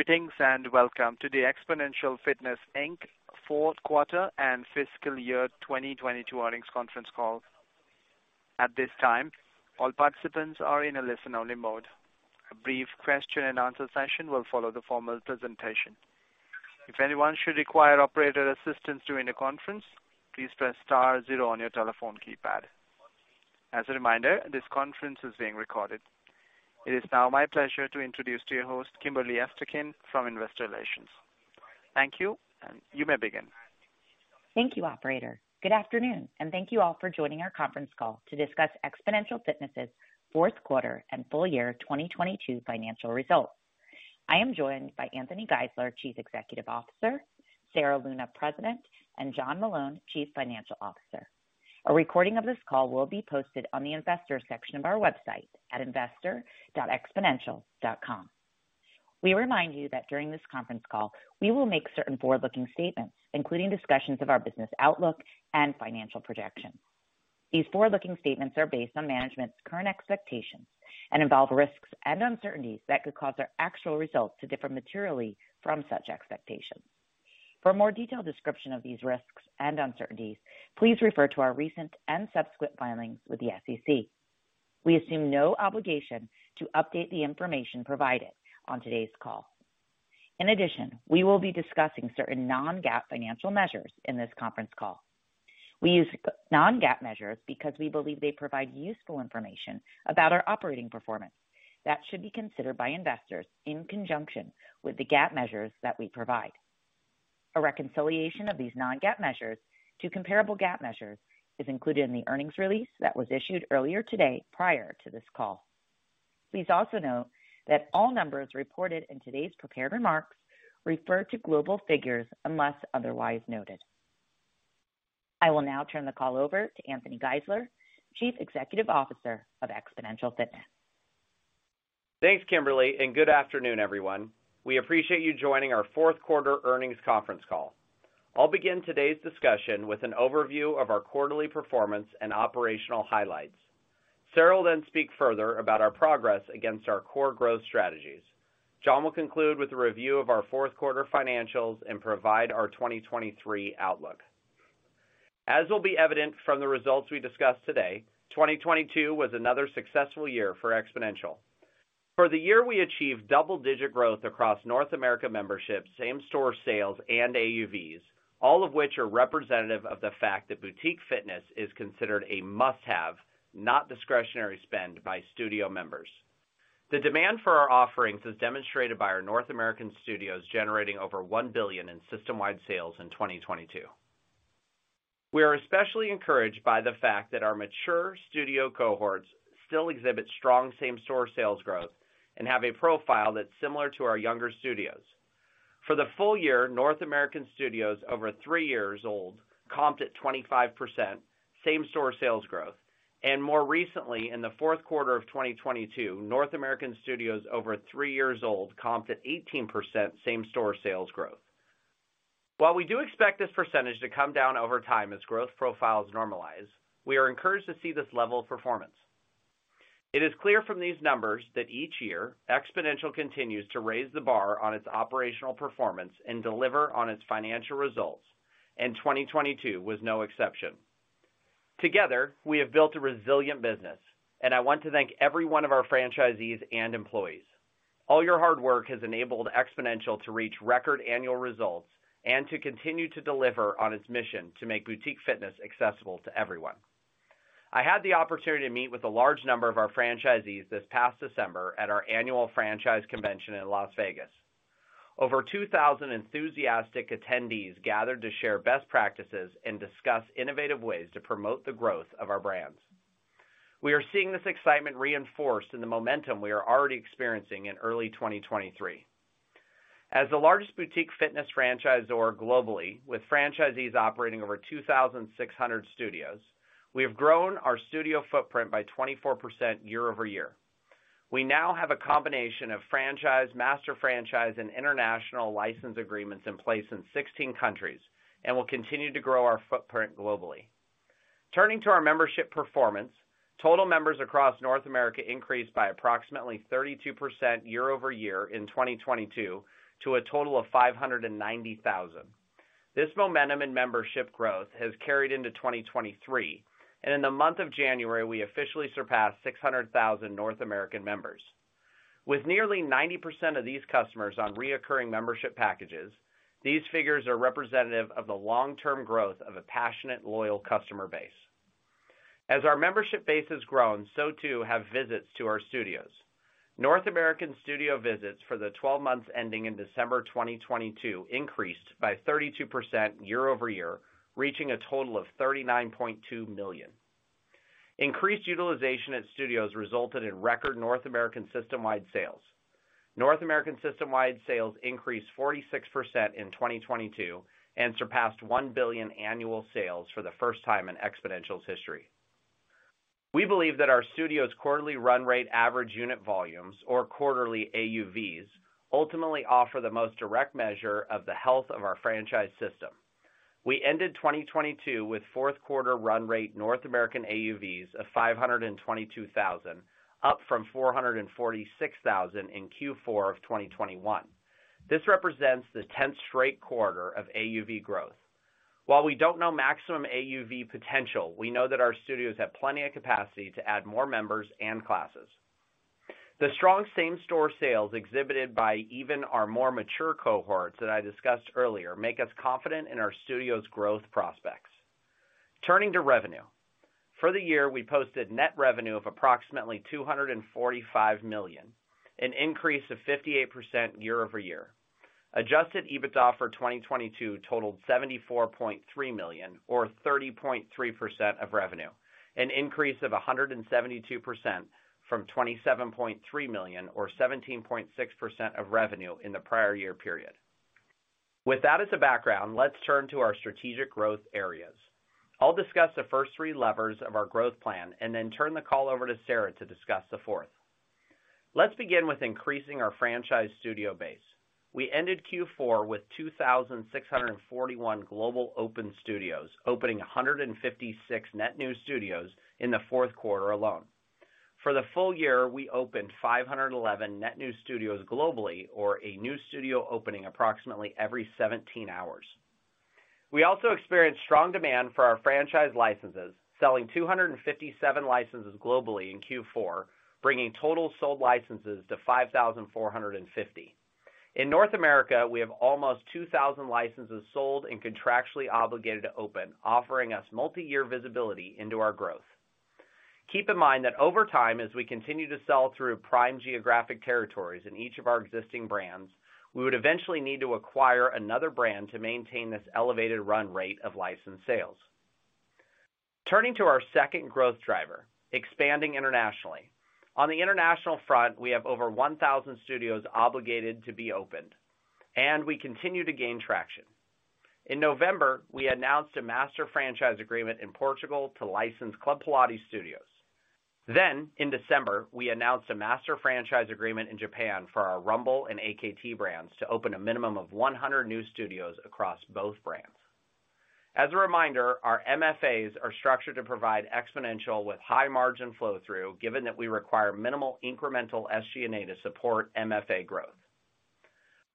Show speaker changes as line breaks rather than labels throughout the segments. Greetings, and welcome to the Xponential Fitness, Inc. fourth quarter and fiscal year 2022 earnings conference call. At this time, all participants are in a listen-only mode. A brief question and answer session will follow the formal presentation. If anyone should require operator assistance during the conference, please press star zero on your telephone keypad. As a reminder, this conference is being recorded. It is now my pleasure to introduce to you host Kimberly Esterkin from Investor Relations. Thank you, and you may begin.
Thank you, operator. Good afternoon, and thank you all for joining our conference call to discuss Xponential Fitness's fourth quarter and full year 2022 financial results. I am joined by Anthony Geisler, Chief Executive Officer, Sarah Luna, President, and John Meloun, Chief Financial Officer. A recording of this call will be posted on the investor section of our website at investor.xponential.com. We remind you that during this conference call, we will make certain forward-looking statements, including discussions of our business outlook and financial projections. These forward-looking statements are based on management's current expectations and involve risks and uncertainties that could cause our actual results to differ materially from such expectations. For a more detailed description of these risks and uncertainties, please refer to our recent and subsequent filings with the SEC. We assume no obligation to update the information provided on today's call. In addition, we will be discussing certain non-GAAP financial measures in this conference call. We use non-GAAP measures because we believe they provide useful information about our operating performance that should be considered by investors in conjunction with the GAAP measures that we provide. A reconciliation of these non-GAAP measures to comparable GAAP measures is included in the earnings release that was issued earlier today prior to this call. Please also note that all numbers reported in today's prepared remarks refer to global figures unless otherwise noted. I will now turn the call over to Anthony Geisler, Chief Executive Officer of Xponential Fitness.
Thanks, Kimberly. Good afternoon, everyone. We appreciate you joining our fourth quarter earnings conference call. I'll begin today's discussion with an overview of our quarterly performance and operational highlights. Sarah will then speak further about our progress against our core growth strategies. John will conclude with a review of our fourth quarter financials and provide our 2023 outlook. As will be evident from the results we discussed today, 2022 was another successful year for Xponential Fitness. For the year, we achieved double-digit growth across North America membership, same-store sales, and AUVs, all of which are representative of the fact that boutique fitness is considered a must-have, not discretionary spend by studio members. The demand for our offerings is demonstrated by our North American studios generating over $1 billion in system-wide sales in 2022. We are especially encouraged by the fact that our mature studio cohorts still exhibit strong same-store sales growth and have a profile that's similar to our younger studios. For the full year, North American studios over three years old comped at 25% same-store sales growth. More recently, in the fourth quarter of 2022, North American studios over three years old comped at 18% same-store sales growth. While we do expect this percentage to come down over time as growth profiles normalize, we are encouraged to see this level of performance. It is clear from these numbers that each year, Xponential continues to raise the bar on its operational performance and deliver on its financial results, 2022 was no exception. Together, we have built a resilient business, I want to thank every one of our franchisees and employees. All your hard work has enabled Xponential to reach record annual results and to continue to deliver on its mission to make boutique fitness accessible to everyone. I had the opportunity to meet with a large number of our franchisees this past December at our annual franchise convention in Las Vegas. Over 2,000 enthusiastic attendees gathered to share best practices and discuss innovative ways to promote the growth of our brands. We are seeing this excitement reinforced in the momentum we are already experiencing in early 2023. As the largest boutique fitness franchisor globally, with franchisees operating over 2,600 studios, we have grown our studio footprint by 24% year-over-year. We now have a combination of franchise, master franchise, and international license agreements in place in 16 countries and will continue to grow our footprint globally. Turning to our membership performance, total members across North America increased by approximately 32% year-over-year in 2022 to a total of 590,000. This momentum in membership growth has carried into 2023, and in the month of January, we officially surpassed 600,000 North American members. With nearly 90% of these customers on recurring membership packages, these figures are representative of the long-term growth of a passionate, loyal customer base. As our membership base has grown, so too have visits to our studios. North American studio visits for the 12 months ending in December 2022 increased by 32% year-over-year, reaching a total of 39.2 million. Increased utilization at studios resulted in record North American system-wide sales. North American system-wide sales increased 46% in 2022 and surpassed $1 billion annual sales for the first time in Xponential Fitness's history. We believe that our studios' quarterly run rate Average Unit Volumes or quarterly AUVs, ultimately offer the most direct measure of the health of our franchise system. We ended 2022 with fourth quarter run rate North American AUVs of $522,000, up from $446,000 in Q4 of 2021. This represents the tenth straight quarter of AUV growth. While we don't know maximum AUV potential, we know that our studios have plenty of capacity to add more members and classes. The strong same-store sales exhibited by even our more mature cohorts that I discussed earlier make us confident in our studios growth prospects. Turning to revenue. For the year, we posted net revenue of approximately $245 million, an increase of 58% year-over-year. Adjusted EBITDA for 2022 totaled $74.3 million or 30.3% of revenue, an increase of 172% from $27.3 million or 17.6% of revenue in the prior year period. With that as a background, let's turn to our strategic growth areas. I'll discuss the first three levers of our growth plan and then turn the call over to Sarah to discuss the fourth. Let's begin with increasing our franchise studio base. We ended Q4 with 2,641 global open studios, opening 156 net new studios in the fourth quarter alone. For the full year, we opened 511 net new studios globally or a new studio opening approximately every 17 hours. We also experienced strong demand for our franchise licenses, selling 257 licenses globally in Q4, bringing total sold licenses to 5,450. In North America, we have almost 2,000 licenses sold and contractually obligated to open, offering us multi-year visibility into our growth. Keep in mind that over time, as we continue to sell through prime geographic territories in each of our existing brands, we would eventually need to acquire another brand to maintain this elevated run rate of licensed sales. Turning to our second growth driver, expanding internationally. On the international front, we have over 1,000 studios obligated to be opened, and we continue to gain traction. In November, we announced a Master Franchise Agreement in Portugal to license Club Pilates studios. In December, we announced a Master Franchise Agreement in Japan for our Rumble and AKT brands to open a minimum of 100 new studios across both brands. As a reminder, our MFAs are structured to provide Xponential with high-margin flow-through, given that we require minimal incremental SG&A to support MFA growth.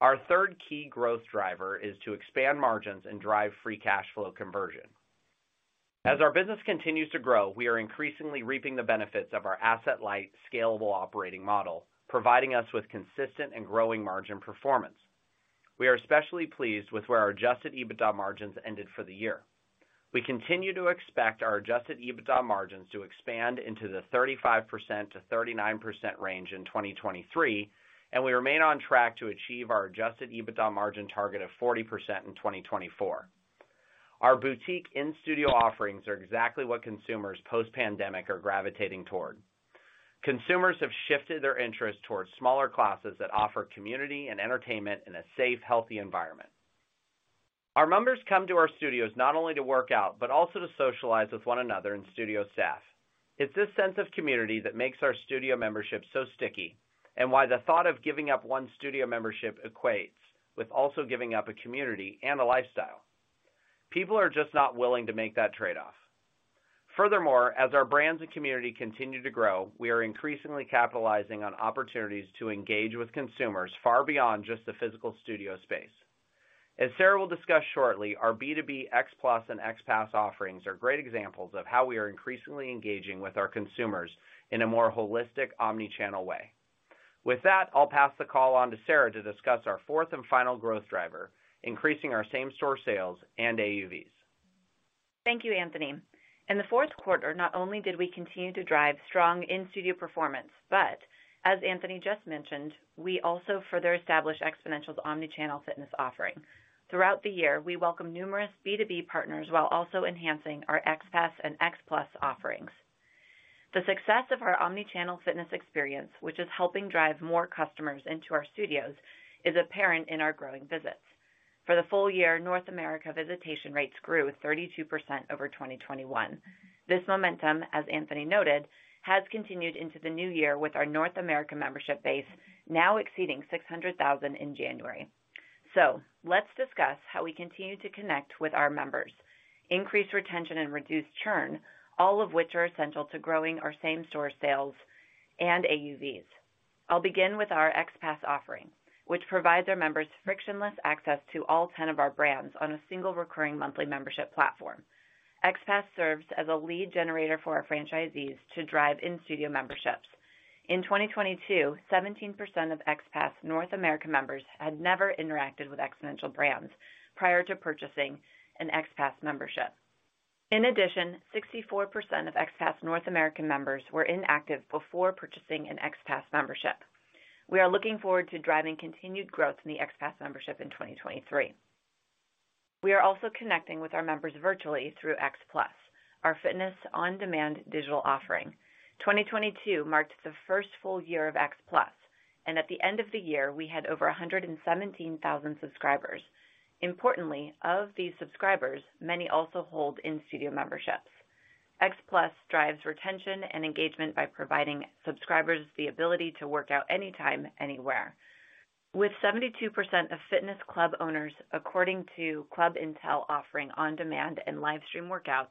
Our third key growth driver is to expand margins and drive free cash flow conversion. As our business continues to grow, we are increasingly reaping the benefits of our asset-light, scalable operating model, providing us with consistent and growing margin performance. We are especially pleased with where our adjusted EBITDA margins ended for the year. We continue to expect our adjusted EBITDA margins to expand into the 35%-39% range in 2023, and we remain on track to achieve our adjusted EBITDA margin target of 40% in 2024. Our boutique in-studio offerings are exactly what consumers post-pandemic are gravitating toward. Consumers have shifted their interest towards smaller classes that offer community and entertainment in a safe, healthy environment. Our members come to our studios not only to work out, but also to socialize with one another and studio staff. It's this sense of community that makes our studio membership so sticky, and why the thought of giving up one studio membership equates with also giving up a community and a lifestyle. People are just not willing to make that trade-off. Furthermore, as our brands and community continue to grow, we are increasingly capitalizing on opportunities to engage with consumers far beyond just the physical studio space. As Sarah will discuss shortly, our B2B XPLUS and XPASS offerings are great examples of how we are increasingly engaging with our consumers in a more holistic omni-channel way. With that, I'll pass the call on to Sarah to discuss our fourth and final growth driver, increasing our same-store sales and AUVs.
Thank you, Anthony. In the fourth quarter, not only did we continue to drive strong in-studio performance, but as Anthony just mentioned, we also further established Xponential's omni-channel fitness offering. Throughout the year, we welcome numerous B2B partners while also enhancing our XPASS and XPLUS offerings. The success of our omni-channel fitness experience, which is helping drive more customers into our studios, is apparent in our growing visits. For the full year, North America visitation rates grew 32% over 2021. This momentum, as Anthony noted, has continued into the new year with our North America membership base now exceeding 600,000 in January. Let's discuss how we continue to connect with our members, increase retention, and reduce churn, all of which are essential to growing our same-store sales and AUVs. I'll begin with our XPass offering, which provides our members frictionless access to all 10 of our brands on a single recurring monthly membership platform. XPass serves as a lead generator for our franchisees to drive in-studio memberships. In 2022, 17% of XPass North America members had never interacted with Xponential brands prior to purchasing an XPass membership. 64% of XPass North American members were inactive before purchasing an XPass membership. We are looking forward to driving continued growth in the XPass membership in 2023. We are also connecting with our members virtually through XPlus, our fitness on-demand digital offering. 2022 marked the first full year of XPlus. At the end of the year, we had over 117,000 subscribers. Importantly, of these subscribers, many also hold in-studio memberships. XPLUS drives retention and engagement by providing subscribers the ability to work out anytime, anywhere. With 72% of fitness club owners, according to ClubIntel, offering on-demand and live stream workouts,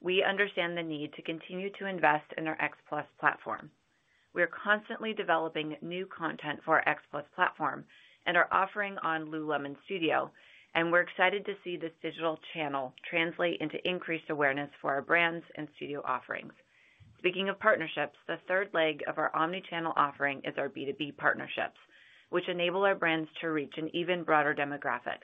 we understand the need to continue to invest in our XPLUS platform. We are constantly developing new content for our XPLUS platform and are offering on lululemon Studio. We're excited to see this digital channel translate into increased awareness for our brands and studio offerings. Speaking of partnerships, the third leg of our omni-channel offering is our B2B partnerships, which enable our brands to reach an even broader demographic.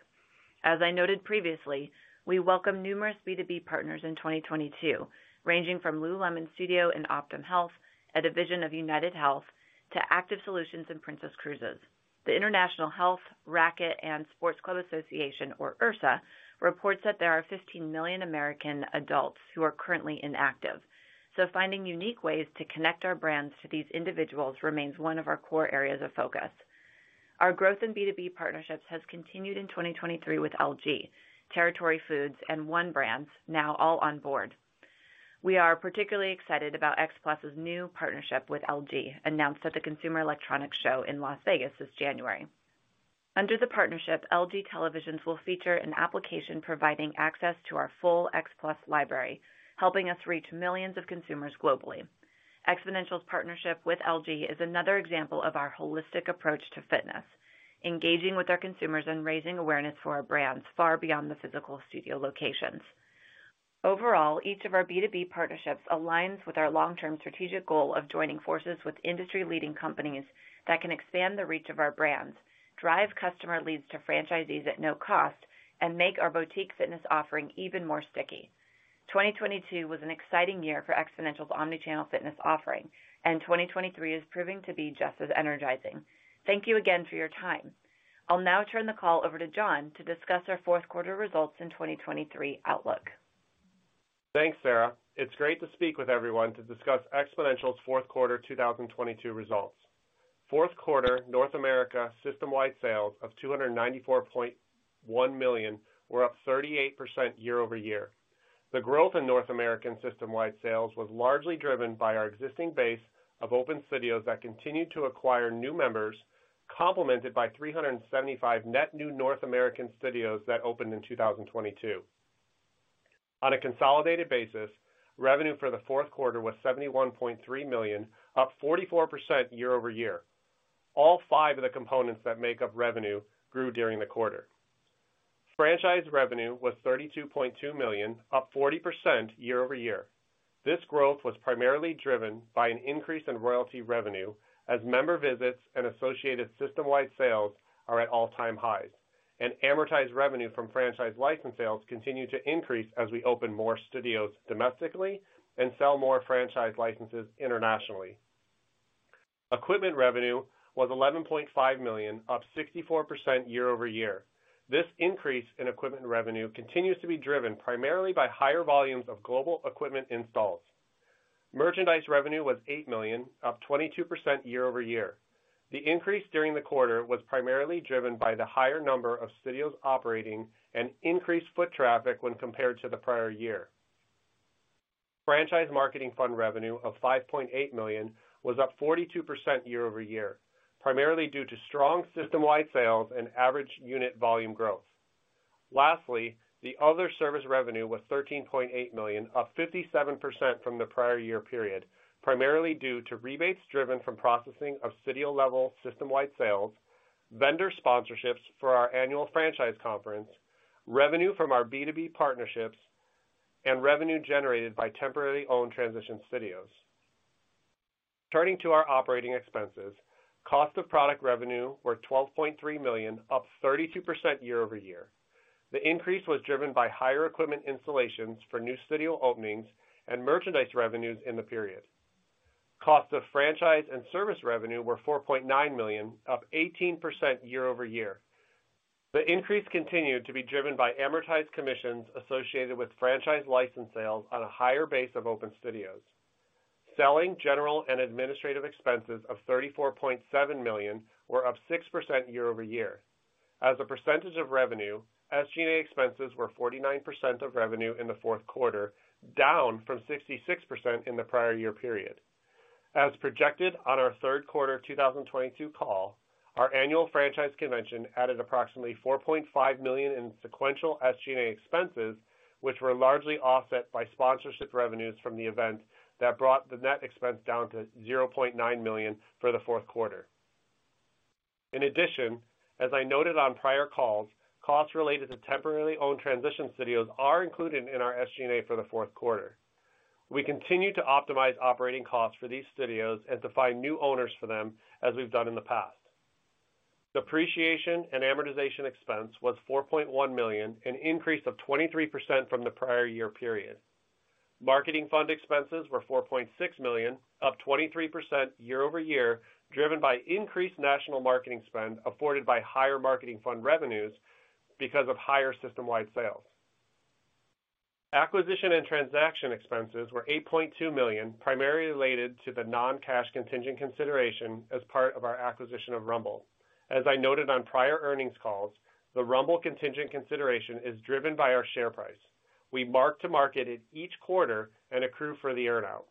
As I noted previously, we welcome numerous B2B partners in 2022, ranging from lululemon Studio and Optum Health, a division of UnitedHealth, to Aktiv Solutions and Princess Cruises. The International Health, Racquet and Sportsclub Association, or IHRSA, reports that there are 15 million American adults who are currently inactive, finding unique ways to connect our brands to these individuals remains one of our core areas of focus. Our growth in B2B partnerships has continued in 2023 with LG, Territory Foods, and ONE Brands now all on board. We are particularly excited about XPLUS's new partnership with LG, announced at the Consumer Electronics Show in Las Vegas this January. Under the partnership, LG televisions will feature an application providing access to our full XPLUS library, helping us reach millions of consumers globally. Xponential's partnership with LG is another example of our holistic approach to fitness, engaging with our consumers, and raising awareness for our brands far beyond the physical studio locations. Overall, each of our B2B partnerships aligns with our long-term strategic goal of joining forces with industry-leading companies that can expand the reach of our brands, drive customer leads to franchisees at no cost, and make our boutique fitness offering even more sticky. 2022 was an exciting year for Xponential's omni-channel fitness offering. 2023 is proving to be just as energizing. Thank you again for your time. I'll now turn the call over to John to discuss our 4th quarter results in 2023 outlook.
Thanks, Sarah. It's great to speak with everyone to discuss Xponential's fourth quarter 2022 results. Fourth quarter North America system-wide sales of $294.1 million were up 38% year-over-year. The growth in North American system-wide sales was largely driven by our existing base of open studios that continued to acquire new members, complemented by 375 net new North American studios that opened in 2022. On a consolidated basis, revenue for the fourth quarter was $71.3 million, up 44% year-over-year. All five of the components that make up revenue grew during the quarter. Franchise revenue was $32.2 million, up 40% year-over-year. This growth was primarily driven by an increase in royalty revenue as member visits and associated system-wide sales are at all-time highs. Amortized revenue from franchise license sales continued to increase as we open more studios domestically and sell more franchise licenses internationally. Equipment revenue was $11.5 million, up 64% year-over-year. This increase in equipment revenue continues to be driven primarily by higher volumes of global equipment installs. Merchandise revenue was $8 million, up 22% year-over-year. The increase during the quarter was primarily driven by the higher number of studios operating and increased foot traffic when compared to the prior year. Franchise marketing fund revenue of $5.8 million was up 42% year-over-year, primarily due to strong system-wide sales and Average Unit Volume growth. Lastly, the other service revenue was $13.8 million, up 57% from the prior year period, primarily due to rebates driven from processing of studio-level system-wide sales, vendor sponsorships for our annual franchise conference, revenue from our B2B partnerships, and revenue generated by temporarily owned transition studios. Turning to our operating expenses, cost of product revenue were $12.3 million, up 32% year-over-year. The increase was driven by higher equipment installations for new studio openings and merchandise revenues in the period. Cost of franchise and service revenue were $4.9 million, up 18% year-over-year. The increase continued to be driven by amortized commissions associated with franchise license sales on a higher base of open studios. Selling, general and administrative expenses of $34.7 million were up 6% year-over-year. As a percentage of revenue, SG&A expenses were 49% of revenue in the fourth quarter, down from 66% in the prior year period. As projected on our third quarter 2022 call, our annual franchise convention added approximately $4.5 million in sequential SG&A expenses, which were largely offset by sponsorship revenues from the event that brought the net expense down to $0.9 million for the fourth quarter. As I noted on prior calls, costs related to temporarily owned transition studios are included in our SG&A for the fourth quarter. We continue to optimize operating costs for these studios and to find new owners for them as we've done in the past. Depreciation and amortization expense was $4.1 million, an increase of 23% from the prior year period. Marketing fund expenses were $4.6 million, up 23% year-over-year, driven by increased national marketing spend afforded by higher marketing fund revenues because of higher system-wide sales. Acquisition and transaction expenses were $8.2 million, primarily related to the non-cash contingent consideration as part of our acquisition of Rumble. As I noted on prior earnings calls, the Rumble contingent consideration is driven by our share price. We mark to market it each quarter and accrue for the earn-out.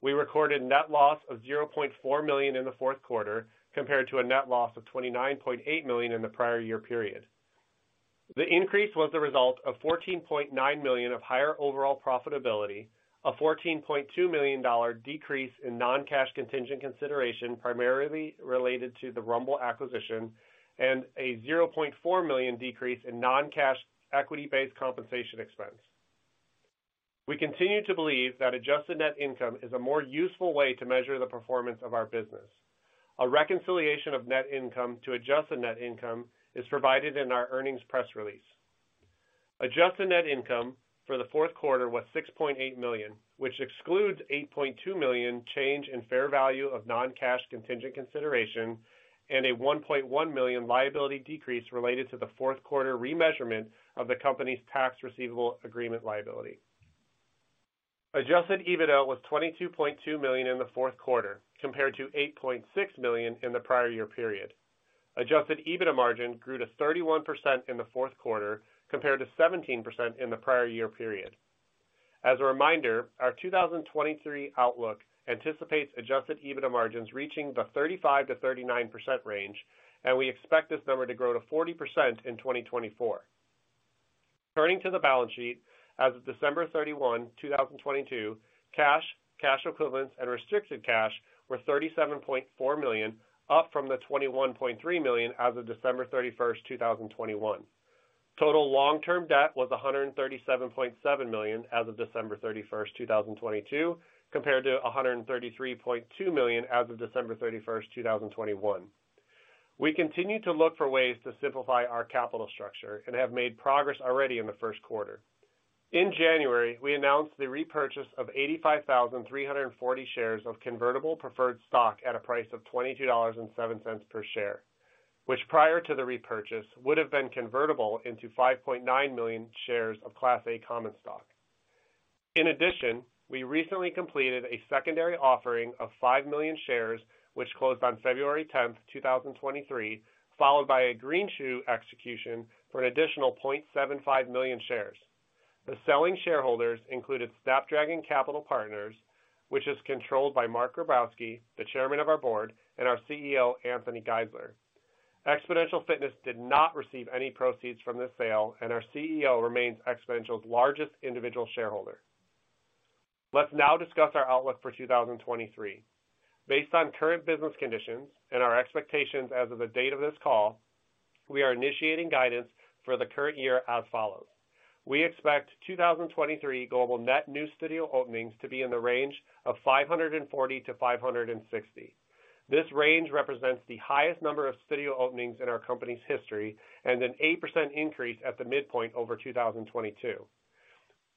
We recorded net loss of $0.4 million in the fourth quarter compared to a net loss of $29.8 million in the prior year period. The increase was the result of $14.9 million of higher overall profitability, a $14.2 million dollar decrease in non-cash contingent consideration, primarily related to the Rumble acquisition, and a $0.4 million decrease in non-cash equity-based compensation expense. We continue to believe that adjusted net income is a more useful way to measure the performance of our business. A reconciliation of net income to adjusted net income is provided in our earnings press release. Adjusted net income for the fourth quarter was $6.8 million, which excludes $8.2 million change in fair value of non-cash contingent consideration and a $1.1 million liability decrease related to the fourth quarter remeasurement of the company's Tax Receivable Agreement liability. Adjusted EBITDA was $22.2 million in the fourth quarter, compared to $8.6 million in the prior year period. Adjusted EBITDA margin grew to 31% in the fourth quarter, compared to 17% in the prior year period. As a reminder, our 2023 outlook anticipates adjusted EBITDA margins reaching the 35%-39% range, and we expect this number to grow to 40% in 2024. Turning to the balance sheet, as of December 31, 2022, cash equivalents and restricted cash were $37.4 million, up from the $21.3 million as of December 31, 2021. Total long-term debt was $137.7 million as of December 31, 2022, compared to $133.2 million as of December 31, 2021. We continue to look for ways to simplify our capital structure and have made progress already in the first quarter. In January, we announced the repurchase of 85,340 shares of convertible preferred stock at a price of $22.07 per share, which prior to the repurchase, would have been convertible into 5.9 million shares of Class A common stock. In addition, we recently completed a secondary offering of 5 million shares, which closed on February 10, 2023, followed by a greenshoe execution for an additional 0.75 million shares. The selling shareholders included Snapdragon Capital Partners, which is controlled by Mark Grabowski, the Chairman of our Board, and our CEO, Anthony Geisler. Xponential Fitness did not receive any proceeds from the sale, Our CEO remains Xponential's largest individual shareholder. Let's now discuss our outlook for 2023. Based on current business conditions and our expectations as of the date of this call, we are initiating guidance for the current year as follows. We expect 2023 global net new studio openings to be in the range of 540-560. This range represents the highest number of studio openings in our company's history and an 8% increase at the midpoint over 2022.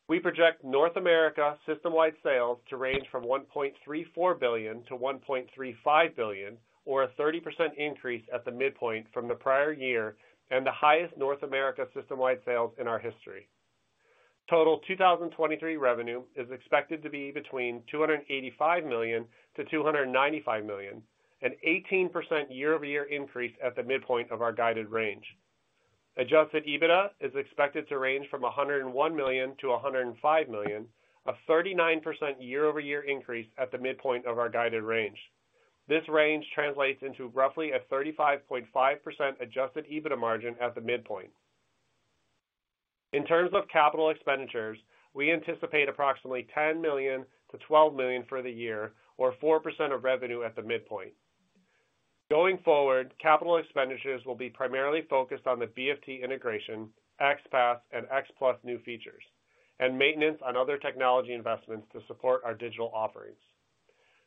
We project North America system-wide sales to range from $1.34 billion-$1.35 billion, or a 30% increase at the midpoint from the prior year and the highest North America system-wide sales in our history. Total 2023 revenue is expected to be between $285 million-$295 million, an 18% year-over-year increase at the midpoint of our guided range. Adjusted EBITDA is expected to range from $101 million-$105 million, a 39% year-over-year increase at the midpoint of our guided range. This range translates into roughly a 35.5% adjusted EBITDA margin at the midpoint. In terms of capital expenditures, we anticipate approximately $10 million-$12 million for the year or 4% of revenue at the midpoint. Going forward, capital expenditures will be primarily focused on the BFT integration, XPASS and XPLUS new features, and maintenance on other technology investments to support our digital offerings.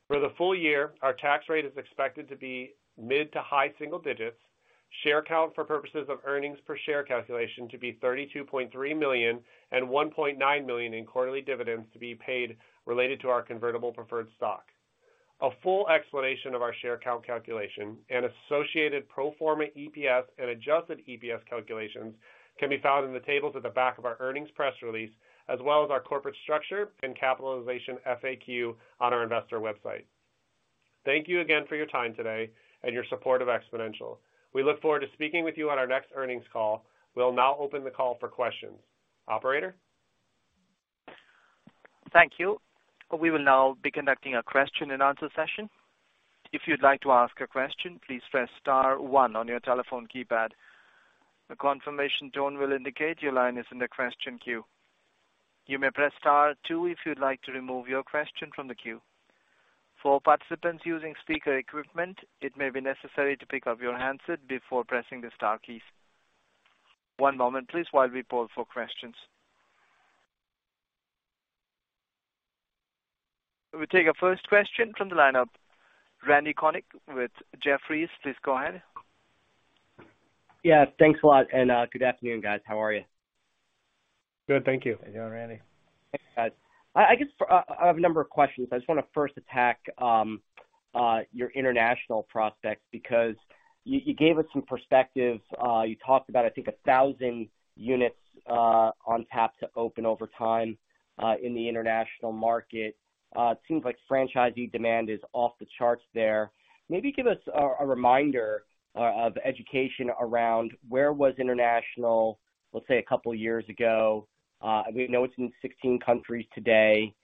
For the full year, our tax rate is expected to be mid to high single digits, share count for purposes of EPS calculation to be 32.3 million and $1.9 million in quarterly dividends to be paid related to our convertible preferred stock. A full explanation of our share count calculation and associated pro forma EPS and adjusted EPS calculations can be found in the tables at the back of our earnings press release, as well as our corporate structure and capitalization FAQ on our investor website. Thank you again for your time today and your support of Xponential. We look forward to speaking with you on our next earnings call. We'll now open the call for questions. Operator?
Thank you. We will now be conducting a question and answer session. If you'd like to ask a question, please press star one on your telephone keypad. A confirmation tone will indicate your line is in the question queue. You may press star two if you'd like to remove your question from the queue. For participants using speaker equipment, it may be necessary to pick up your handset before pressing the star keys. One moment, please, while we poll for questions. We take our first question from the lineup. Randy Konik with Jefferies, please go ahead.
Yeah, thanks a lot, and good afternoon, guys. How are you?
Good, thank you.
How you doing, Randy? Thanks, guys. I guess I have a number of questions. I just wanna first attack.
Your international prospects, because you gave us some perspective. You talked about, I think, 1,000 units on tap to open over time in the international market. It seems like franchisee demand is off the charts there. Maybe give us a reminder of education around where was international, let's say, a couple years ago. We know it's in 16 countries today.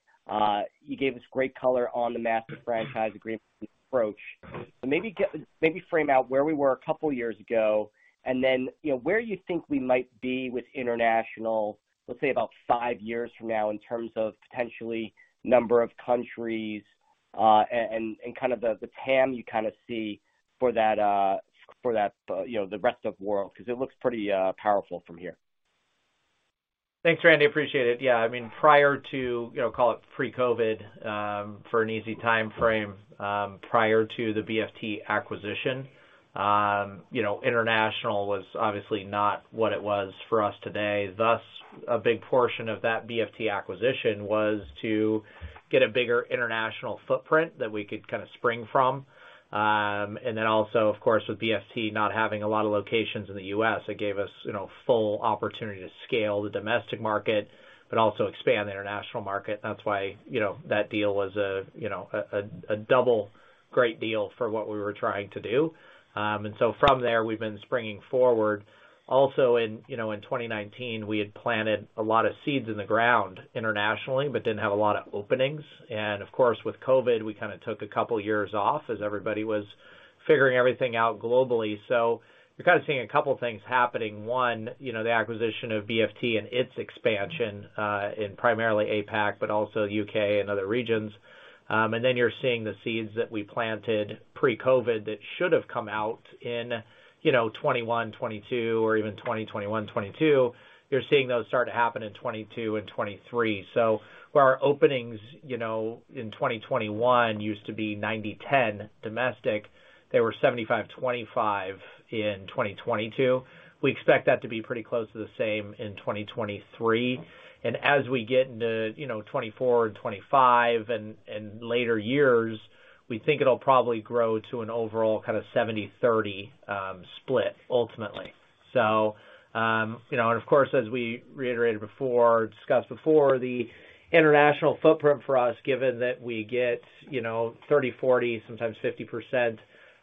You gave us great color on the Master Franchise Agreement approach. Maybe frame out where we were a couple years ago, and then, you know, where you think we might be with international, let's say, about fivey years from now in terms of potentially number of countries, and kind of the TAM you kind of see for that, for that, you know, the rest of world, 'cause it looks pretty powerful from here.
Thanks, Randy. Appreciate it. Yeah, I mean, prior to, you know, call it pre-COVID, for an easy timeframe, prior to the BFT acquisition, you know, international was obviously not what it was for us today. Thus, a big portion of that BFT acquisition was to get a bigger international footprint that we could kind of spring from. And then also, of course, with BFT not having a lot of locations in the US, it gave us, you know, full opportunity to scale the domestic market but also expand the international market. That's why, you know, that deal was a, you know, a double great deal for what we were trying to do. From there, we've been springing forward. In 2019, we had planted a lot of seeds in the ground internationally, but didn't have a lot of openings. With COVID, we kind of took a couple years off as everybody was figuring everything out globally. You're kind of seeing a couple things happening. One, the acquisition of BFT and its expansion in primarily APAC, but also UK and other regions. You're seeing the seeds that we planted pre-COVID that should have come out in 2021, 2022 or even 2021, 2022. You're seeing those start to happen in 2022 and 2023. Where our openings in 2021 used to be 90/10 domestic, they were 75/25 in 2022. We expect that to be pretty close to the same in 2023. As we get into, you know, 2024 and 2025 and later years, we think it'll probably grow to an overall kind of 70/30 split ultimately. You know, and of course, as we reiterated before, discussed before, the international footprint for us, given that we get, you know, 30%, 40%, sometimes 50%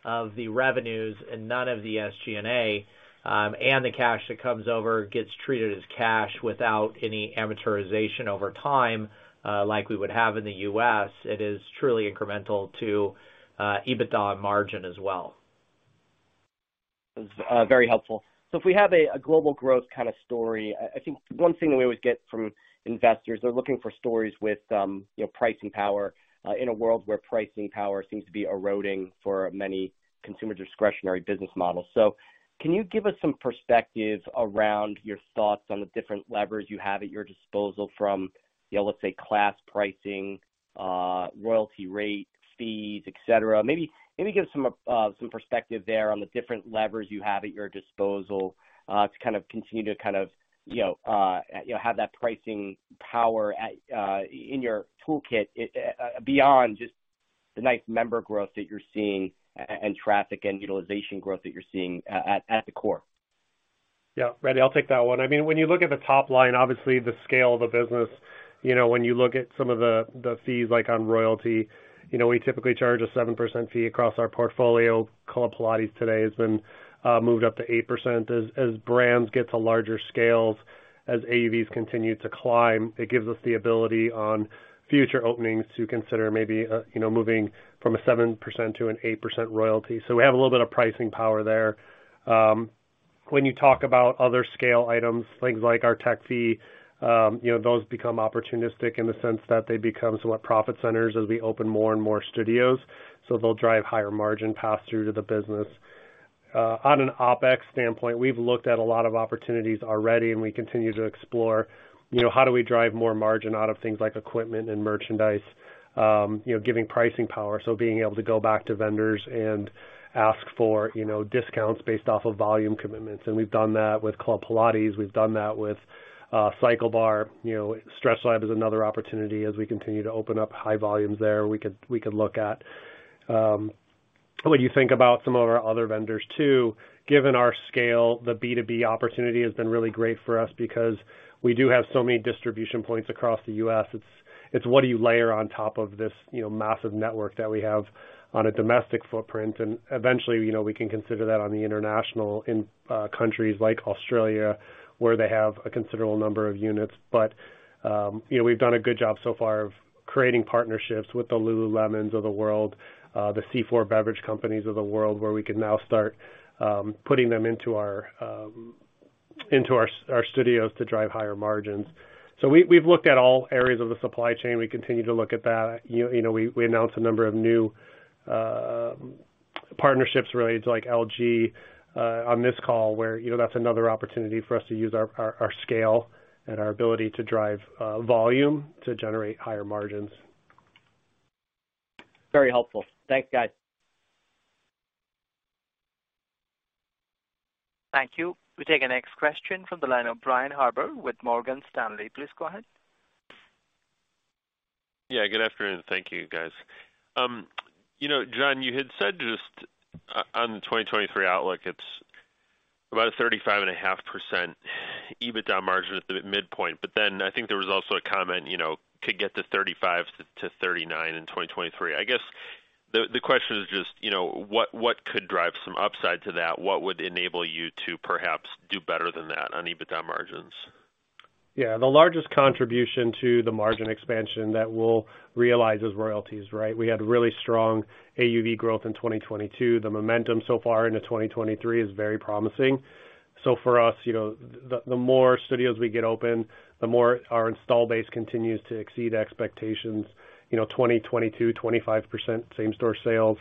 of the revenues and none of the SG&A, and the cash that comes over gets treated as cash without any amortization over time, like we would have in the US, it is truly incremental to EBITDA margin as well.
Very helpful. If we have a global growth kind of story, I think one thing we always get from investors, they're looking for stories with, you know, pricing power in a world where pricing power seems to be eroding for many consumer discretionary business models. Can you give us some perspective around your thoughts on the different levers you have at your disposal from, you know, let's say, class pricing, royalty rate fees, et cetera? Maybe give some perspective there on the different levers you have at your disposal to kind of continue to kind of, you know, you know, have that pricing power at in your toolkit beyond just the nice member growth that you're seeing and traffic and utilization growth that you're seeing at the core.
Yeah. Randy, I'll take that one. I mean, when you look at the top line, obviously the scale of the business, you know, when you look at some of the fees, like on royalty, you know, we typically charge a 7% fee across our portfolio. Club Pilates today has been moved up to 8%. As brands get to larger scales, as AUVs continue to climb, it gives us the ability on future openings to consider maybe, you know, moving from a 7% to an 8% royalty. We have a little bit of pricing power there. When you talk about other scale items, things like our tech fee, you know, those become opportunistic in the sense that they become somewhat profit centers as we open more and more studios. They'll drive higher margin pass through to the business. On an OpEx standpoint, we've looked at a lot of opportunities already, and we continue to explore, you know, how do we drive more margin out of things like equipment and merchandise, you know, giving pricing power. Being able to go back to vendors and ask for, you know, discounts based off of volume commitments. We've done that with Club Pilates. We've done that with CycleBar. You know, StretchLab is another opportunity as we continue to open up high volumes there, we could look at. When you think about some of our other vendors too, given our scale, the B2B opportunity has been really great for us because we do have so many distribution points across the US. It's what do you layer on top of this, you know, massive network that we have on a domestic footprint. Eventually, you know, we can consider that on the international in countries like Australia, where they have a considerable number of units. You know, we've done a good job so far of creating partnerships with the lululemons of the world, the C4 beverage companies of the world, where we can now start putting them into our studios to drive higher margins. We've looked at all areas of the supply chain. We continue to look at that. You know, we announced a number of new partnerships related to, like, LG on this call, where, you know, that's another opportunity for us to use our scale and our ability to drive volume to generate higher margins.
Very helpful. Thanks, guys.
Thank you. We take the next question from the line of Brian Harbour with Morgan Stanley. Please go ahead.
Yeah, good afternoon. Thank you, guys. You know, John, you had said just on the 2023 outlook, it's about a 35.5% EBITDA margin at the midpoint. I think there was also a comment, you know, could get to 35%-39% in 2023. I guess the question is just, you know, what could drive some upside to that? What would enable you to perhaps do better than that on EBITDA margins?
Yeah. The largest contribution to the margin expansion that we'll realize is royalties, right? We had really strong AUV growth in 2022. The momentum so far into 2023 is very promising. For us, you know, the more studios we get open, the more our install base continues to exceed expectations. You know, 2022, 25% same-store sales,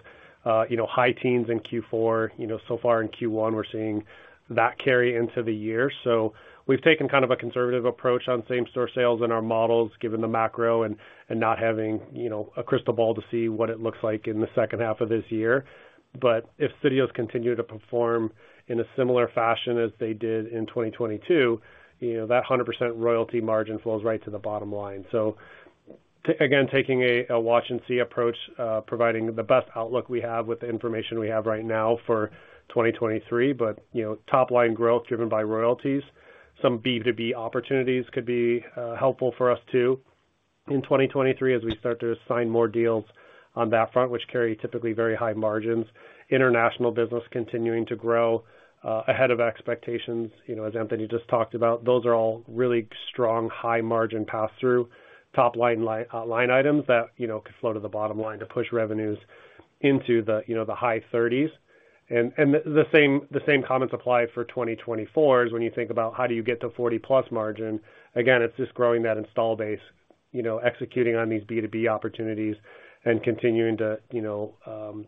you know, high teens in Q4. You know, so far in Q1, we're seeing that carry into the year. We've taken kind of a conservative approach on same-store sales in our models, given the macro and not having, you know, a crystal ball to see what it looks like in the second half of this year. If studios continue to perform in a similar fashion as they did in 2022, you know, that 100% royalty margin flows right to the bottom line. Again, taking a watch and see approach, providing the best outlook we have with the information we have right now for 2023. You know, top line growth driven by royalties. Some B2B opportunities could be helpful for us too in 2023 as we start to sign more deals on that front, which carry typically very high margins. International business continuing to grow ahead of expectations, you know, as Anthony just talked about. Those are all really strong high margin pass-through, top line line items that, you know, could flow to the bottom line to push revenues into the, you know, the high 30s. The same comments apply for 2024 is when you think about how do you get to 40%+ margin. Again, it's just growing that install base, you know, executing on these B2B opportunities and continuing to, you know,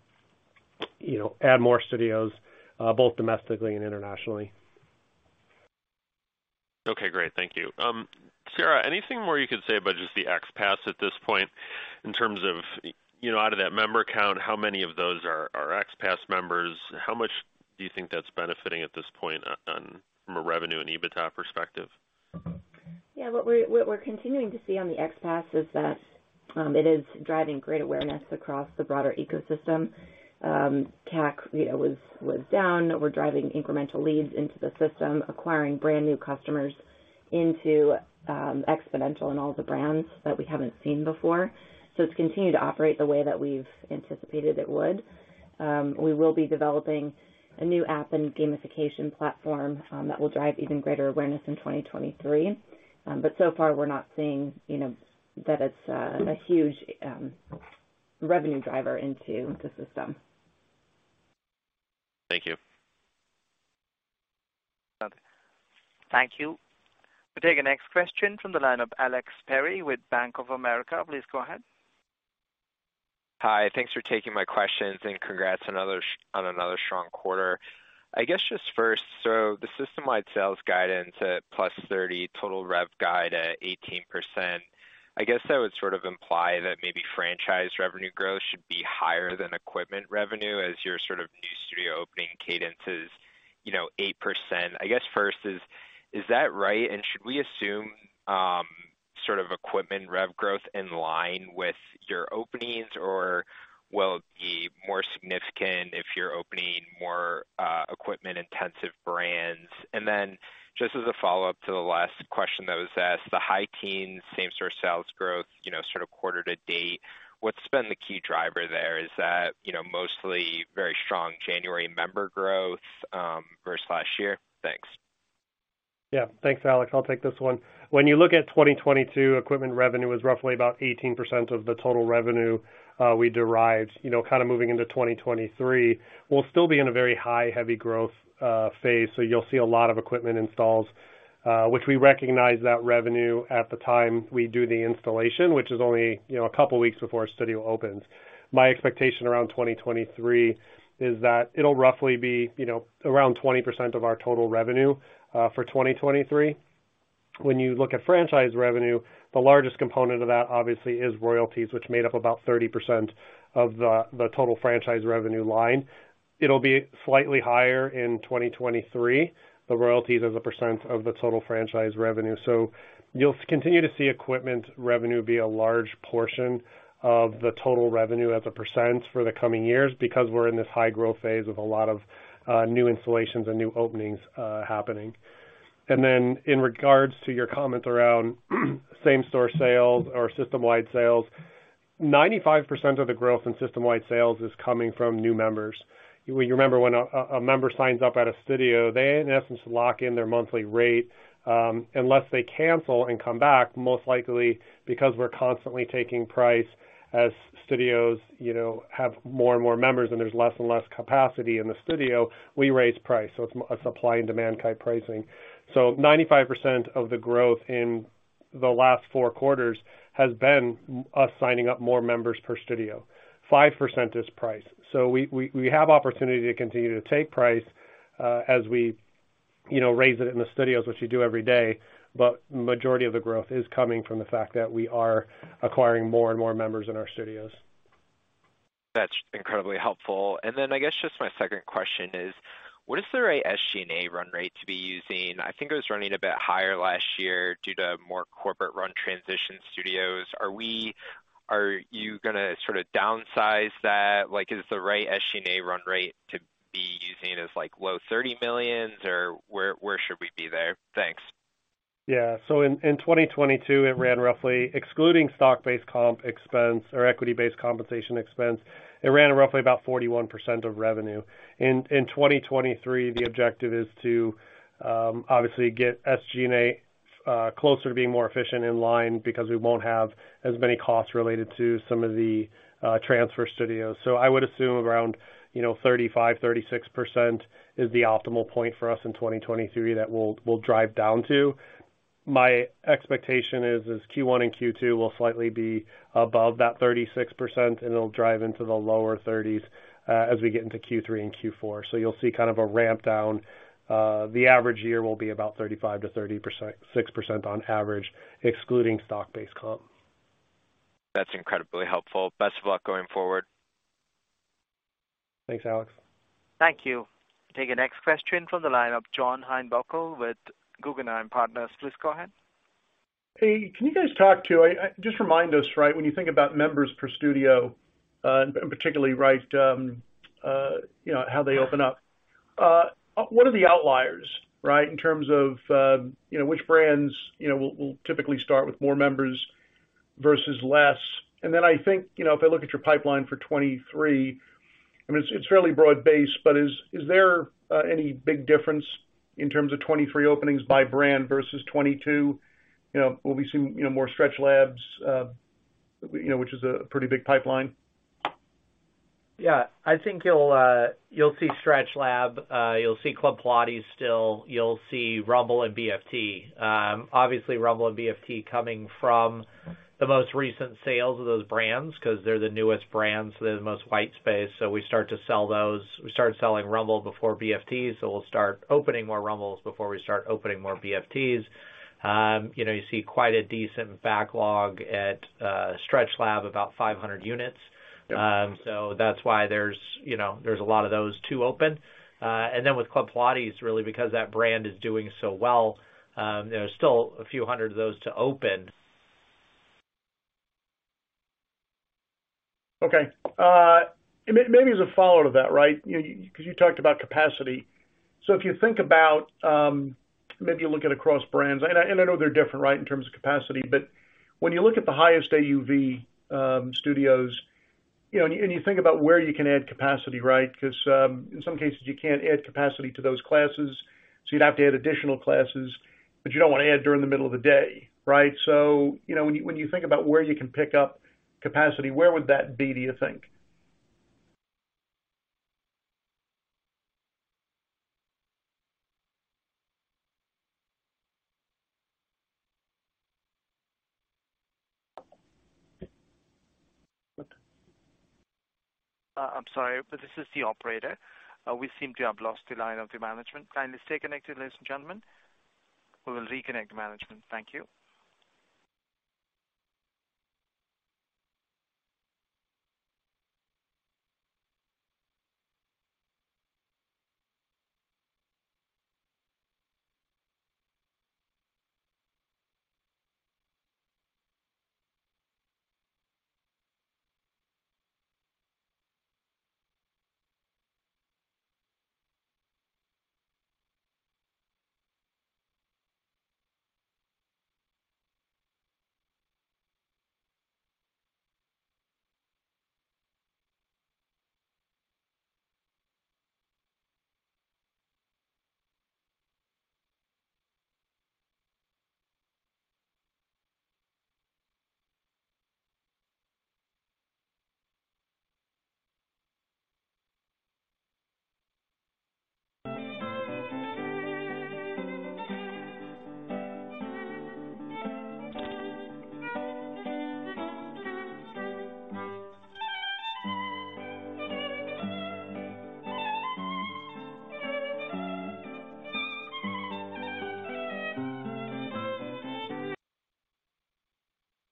add more studios, both domestically and internationally.
Okay, great. Thank you. Sarah, anything more you could say about just the XPASS at this point in terms of, you know, out of that member count, how many of those are XPASS members? How much do you think that's benefiting at this point on, from a revenue and EBITDA perspective?
What we're continuing to see on the XPass is that it is driving great awareness across the broader ecosystem. CAC, you know, was down. We're driving incremental leads into the system, acquiring brand new customers into Xponential and all the brands that we haven't seen before. It's continued to operate the way that we've anticipated it would. We will be developing a new app and gamification platform that will drive even greater awareness in 2023. So far, we're not seeing, you know, that it's a huge revenue driver into the system.
Thank you.
Okay. Thank you. We take the next question from the line of Alex Perry with Bank of America. Please go ahead.
Hi. Thanks for taking my questions. Congrats on another strong quarter. I guess just first, the system-wide sales guidance at +30%, total rev guide at 18%, I guess that would sort of imply that maybe franchise revenue growth should be higher than equipment revenue as your sort of new studio opening cadence is, you know, 8%. I guess first is that right? Should we assume sort of equipment rev growth in line with your openings, or will it be more significant if you're opening more equipment-intensive brands? Just as a follow-up to the last question that was asked, the high teens same-store sales growth, you know, sort of quarter to date, what's been the key driver there? Is that, you know, mostly very strong January member growth versus last year? Thanks.
Thanks, Alex. I'll take this one. When you look at 2022, equipment revenue was roughly about 18% of the total revenue we derived. You know, kind of moving into 2023, we'll still be in a very high, heavy growth phase, so you'll see a lot of equipment installs, which we recognize that revenue at the time we do the installation, which is only, you know, a couple weeks before a studio opens. My expectation around 2023 is that it'll roughly be, you know, around 20% of our total revenue for 2023. When you look at franchise revenue, the largest component of that obviously is royalties, which made up about 30% of the total franchise revenue line. It'll be slightly higher in 2023, the royalties as a % of the total franchise revenue. You'll continue to see equipment revenue be a large portion of the total revenue as a % for the coming years because we're in this high growth phase with a lot of new installations and new openings happening. In regards to your comments around same-store sales or system-wide sales, 95% of the growth in system-wide sales is coming from new members. You remember when a member signs up at a studio, they in essence lock in their monthly rate, unless they cancel and come back, most likely because we're constantly taking price as studios, you know, have more and more members and there's less and less capacity in the studio, we raise price. It's supply and demand type pricing. Ninety-five percent of the growth in the last four quarters has been us signing up more members per studio. 5% is price. We have opportunity to continue to take price, as we, you know, raise it in the studios, which you do every day, but majority of the growth is coming from the fact that we are acquiring more and more members in our studios.
That's incredibly helpful. I guess just my second question is: What is the right SG&A run rate to be using? I think it was running a bit higher last year due to more corporate-run transition studios. Are you gonna sort of downsize that? Like, is the right SG&A run rate to be using is, like, low $30 million, or where should we be there? Thanks.
Yeah. In 2022, it ran roughly excluding stock-based comp expense or equity-based compensation expense, it ran roughly about 41% of revenue. In 2023, the objective is to obviously get SG&A closer to being more efficient in line because we won't have as many costs related to some of the transfer studios. I would assume around, you know, 35%-36% is the optimal point for us in 2023 that we'll drive down to. My expectation is Q1 and Q2 will slightly be above that 36%, and it'll drive into the lower 30s as we get into Q3 and Q4. You'll see kind of a ramp down. The average year will be about 35%-36% on average excluding stock-based comp.
That's incredibly helpful. Best of luck going forward.
Thanks, Alex.
Thank you. Take the next question from the line of John Heinbockel with Guggenheim Partners. Please go ahead.
Hey, can you guys just remind us, right, when you think about members per studio, and particularly, right, you know, how they open up. What are the outliers, right, in terms of, you know, which brands, you know, will typically start with more members versus less. I think, you know, if I look at your pipeline for 2023, I mean, it's fairly broad-based, but is there any big difference in terms of 2023 openings by brand versus 2022? You know, will we see, you know, more StretchLab, you know, which is a pretty big pipeline?
I think you'll see StretchLab, you'll see Club Pilates still, you'll see Rumble and BFT. Obviously Rumble and BFT coming from the most recent sales of those brands 'cause they're the newest brands with the most white space. We start to sell those. We start selling Rumble before BFTs, we'll start opening more Rumbles before we start opening more BFTs. You know, you see quite a decent backlog at StretchLab, about 500 units.
Yep.
That's why there's, you know, there's a lot of those to open. With Club Pilates really because that brand is doing so well, there's still a few hundred of those to open.
Okay, maybe as a follow-up to that, right? You because you talked about capacity. If you think about, maybe you look at across brands. I know they're different, right, in terms of capacity. When you look at the highest AUV studios, you know, and you think about where you can add capacity, right? Because, in some cases, you can't add capacity to those classes, so you'd have to add additional classes. You don't wanna add during the middle of the day, right? You know, when you think about where you can pick up capacity, where would that be, do you think?
I'm sorry, this is the operator. We seem to have lost the line of the management. Kindly stay connected, ladies and gentlemen. We will reconnect management. Thank you.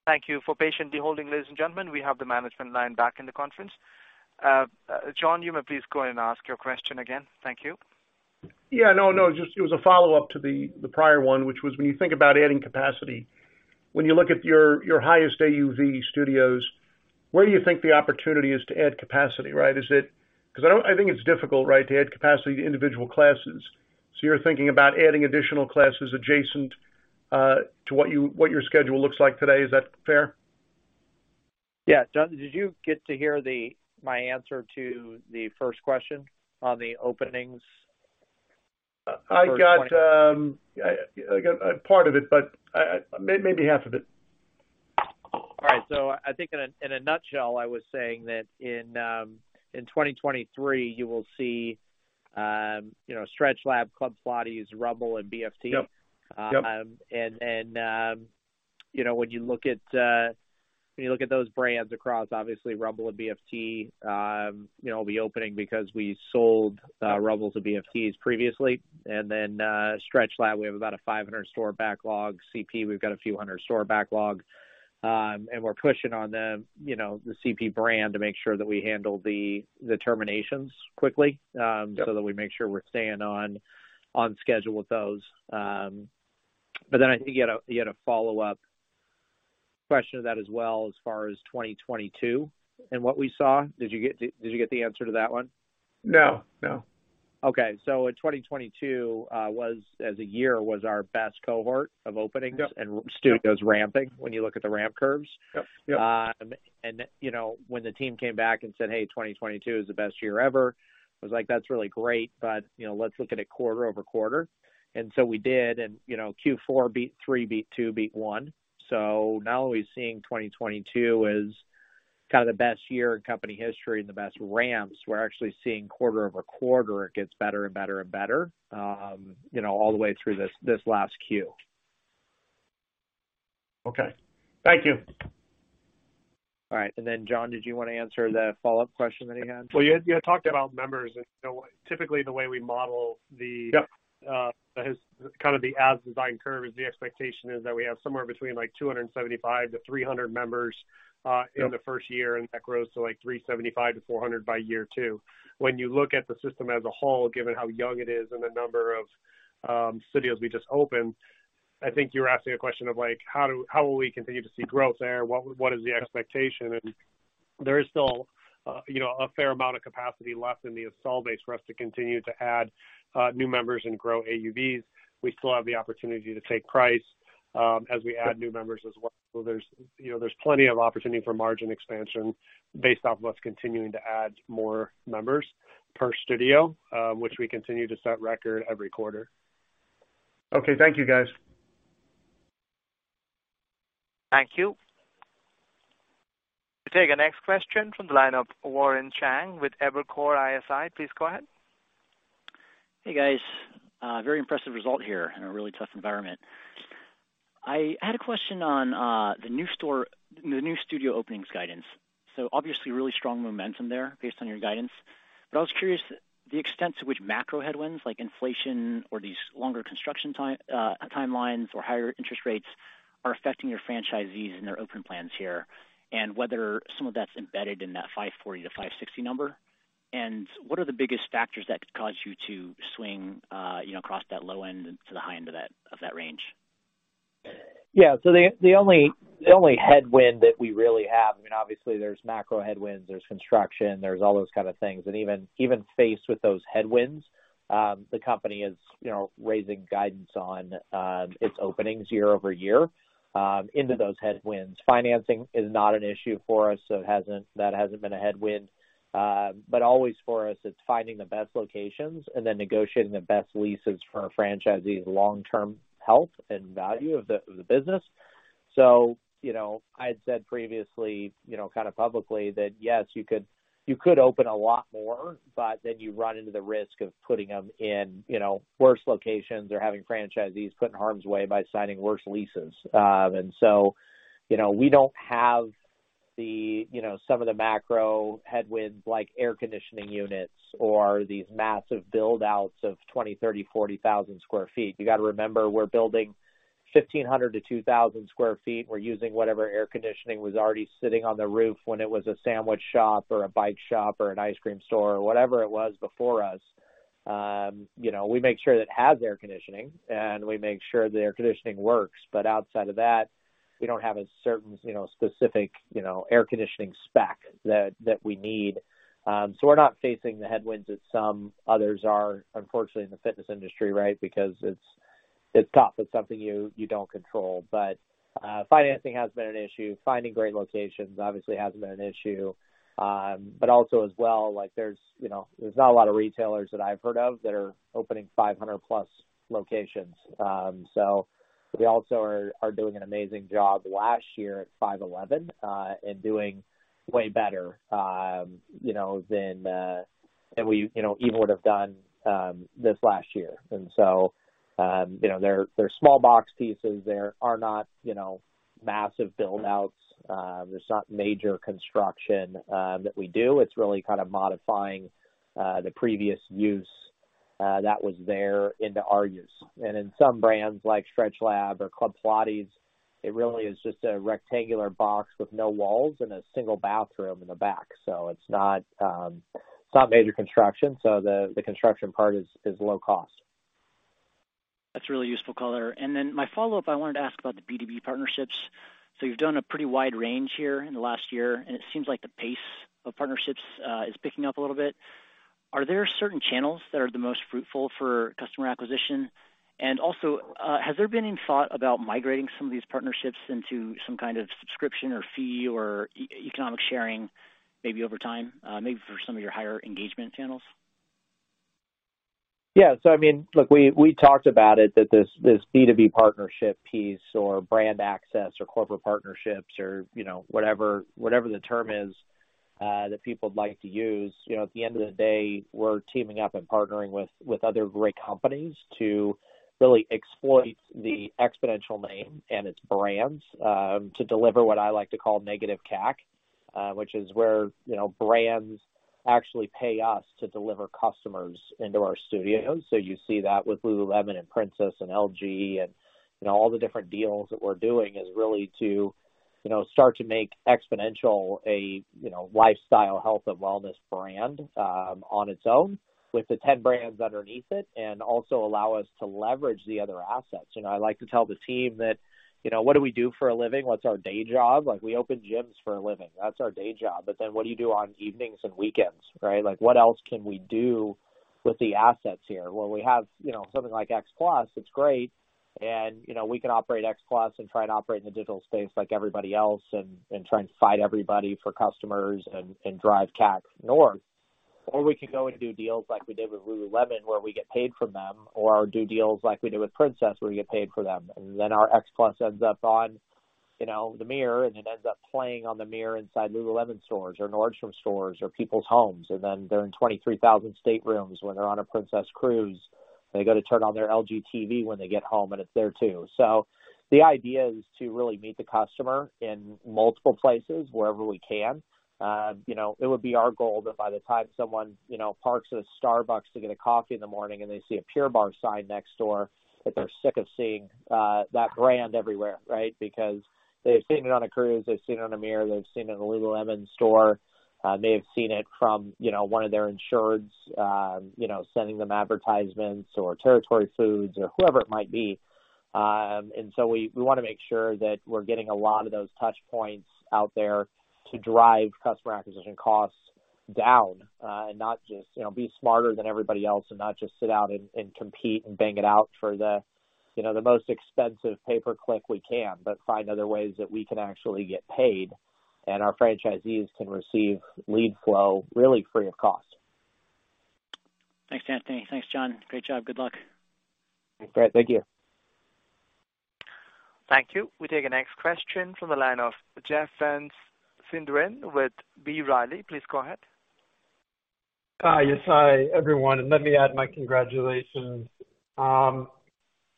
Thank you for patiently holding, ladies and gentlemen. We have the management line back in the conference. John, you may please go and ask your question again. Thank you.
No, just it was a follow-up to the prior one, which was when you think about adding capacity. When you look at your highest AUV studios, where do you think the opportunity is to add capacity, right? I think it's difficult, right, to add capacity to individual classes. You're thinking about adding additional classes adjacent to what your schedule looks like today. Is that fair?
Yeah. John, did you get to hear my answer to the first question on the openings-?
I got...
The first point?
I got part of it, but maybe half of it.
All right. I think in a nutshell, I was saying that in 2023, you will see, you know, StretchLab, Club Pilates, Rumble, and BFT.
Yep. Yep.
You know, when you look at those brands across, obviously Rumble and BFT, you know, will be opening because we sold Rumble to BFTS previously. Then StretchLab, we have about a 500 store backlog. CP, we've got a few hundred store backlog. We're pushing on them, you know, the CP brand to make sure that we handle the terminations quickly.
Yep.
We make sure we're staying on schedule with those. I think you had a follow-up question to that as well as far as 2022 and what we saw. Did you get the answer to that one?
No. No.
Okay. In 2022 was our best cohort of openings.
Yep.
Studios ramping when you look at the ramp curves.
Yep. Yep.
You know, when the team came back and said, "Hey, 2022 is the best year ever," I was like, "That's really great, but, you know, let's look at it quarter-over-quarter." We did. You know, Q4 beat 3, beat 2, beat 1. Now that we're seeing 2022 as kind of the best year in company history and the best ramps, we're actually seeing quarter-over-quarter, it gets better and better and better, you know, all the way through this last Q.
Okay. Thank you.
All right. John, did you wanna answer the follow-up question that he had?
Yeah, you had talked about members and, you know, typically the way we model.
Yep.
kind of the as-designed curve is the expectation is that we have somewhere between, like, 275 to 300 members.
Yep.
-in the first year, and that grows to, like, $375-$400 by year two. When you look at the system as a whole, given how young it is and the number of studios we just opened, I think you're asking a question of, like, how will we continue to see growth there? What, what is the expectation? There is still, you know, a fair amount of capacity left in the install base for us to continue to add new members and grow AUVs. We still have the opportunity to take price as we add new members as well. There's, you know, there's plenty of opportunity for margin expansion based off of us continuing to add more members per studio, which we continue to set record every quarter.
Okay. Thank you, guys.
Thank you. We take our next question from the line of Warren Cheng with Evercore ISI. Please go ahead.
Hey, guys. Very impressive result here in a really tough environment. I had a question on the new studio openings guidance. Obviously really strong momentum there based on your guidance. I was curious the extent to which macro headwinds like inflation or these longer construction timelines or higher interest rates are affecting your franchisees and their open plans here, and whether some of that's embedded in that 540 to 560 number. What are the biggest factors that could cause you to swing, you know, across that low end to the high end of that, of that range?
Yeah. The only headwind that we really have, I mean, obviously there's macro headwinds, there's construction, there's all those kind of things. Even faced with those headwinds, the company is, you know, raising guidance on its openings year-over-year into those headwinds. Financing is not an issue for us. That hasn't been a headwind. Always for us, it's finding the best locations and negotiating the best leases for our franchisees' long-term health and value of the business. You know, I had said previously, you know, kind of publicly that yes, you could open a lot more, you run into the risk of putting them in, you know, worse locations or having franchisees put in harm's way by signing worse leases. You know, we don't have the, you know, some of the macro headwinds like air conditioning units or these massive build-outs of 20,000, 30,000, 40,000 sq ft. You gotta remember, we're building 1,500 to 2,000 sq ft. We're using whatever air conditioning was already sitting on the roof when it was a sandwich shop or a bike shop or an ice cream store or whatever it was before us. You know, we make sure it has air conditioning, and we make sure the air conditioning works. We don't have a certain, you know, specific, you know, air conditioning spec that we need. We're not facing the headwinds that some others are, unfortunately, in the fitness industry, right? Because it's tough. It's something you don't control. Financing has been an issue. Finding great locations obviously hasn't been an issue. Also as well, like, there's, you know, there's not a lot of retailers that I've heard of that are opening 500+ locations. We also are doing an amazing job last year at 511, and doing way better, you know, than we, you know, even would have done this last year. You know, they're small box pieces. There are not, you know, massive build-outs. There's not major construction that we do. It's really kind of modifying the previous use that was there into our use. In some brands like StretchLab or Club Pilates, it really is just a rectangular box with no walls and a single bathroom in the back. It's not, it's not major construction. The construction part is low cost.
That's a really useful color. My follow-up, I wanted to ask about the B2B partnerships. You've done a pretty wide range here in the last year, and it seems like the pace of partnerships is picking up a little bit. Are there certain channels that are the most fruitful for customer acquisition? Has there been any thought about migrating some of these partnerships into some kind of subscription or fee or economic sharing maybe over time, maybe for some of your higher engagement channels?
Yeah. I mean, look, we talked about it that this B2B partnership piece or brand access or corporate partnerships or, you know, whatever the term is that people would like to use. You know, at the end of the day, we're teaming up and partnering with other great companies to really exploit the Xponential name and its brands to deliver what I like to call negative CAC, which is where, you know, brands actually pay us to deliver customers into our studios. You see that with lululemon and Princess and LG and, you know, all the different deals that we're doing is really to, you know, start to make Xponential a, you know, lifestyle health and wellness brand on its own with the 10 brands underneath it and also allow us to leverage the other assets. You know, I like to tell the team that, you know, what do we do for a living? What's our day job? Like, we open gyms for a living. That's our day job. What do you do on evenings and weekends, right? Like, what else can we do with the assets here? Well, we have, you know, something like XPLUS. It's great. You know, we can operate XPLUS and try and operate in the digital space like everybody else and try and fight everybody for customers and drive CAC north. We can go and do deals like we did with lululemon, where we get paid from them, or do deals like we did with Princess, where we get paid for them. Our XPLUS ends up on, you know, the mirror, and it ends up playing on the mirror inside lululemon stores or Nordstrom stores or people's homes. They're in 23,000 staterooms when they're on a Princess Cruises. They go to turn on their LG TV when they get home, and it's there too. The idea is to really meet the customer in multiple places wherever we can. You know, it would be our goal that by the time someone, you know, parks at a Starbucks to get a coffee in the morning and they see a Pure Barre sign next door, that they're sick of seeing that brand everywhere, right? They've seen it on a cruise, they've seen it on a mirror, they've seen it in a lululemon store. They've seen it from, you know, one of their insureds, you know, sending them advertisements or Territory Foods or whoever it might be. We wanna make sure that we're getting a lot of those touch points out there to drive customer acquisition costs down, and not just, you know, be smarter than everybody else and not just sit out and compete and bang it out for the, you know, the most expensive pay per click we can, but find other ways that we can actually get paid and our franchisees can receive lead flow really free of cost.
Thanks, Anthony. Thanks, John. Great job. Good luck.
Great. Thank you.
Thank you. We take the next question from the line of Jeff Van Sinderen with B. Riley. Please go ahead.
Hi. Yes, hi, everyone. Let me add my congratulations.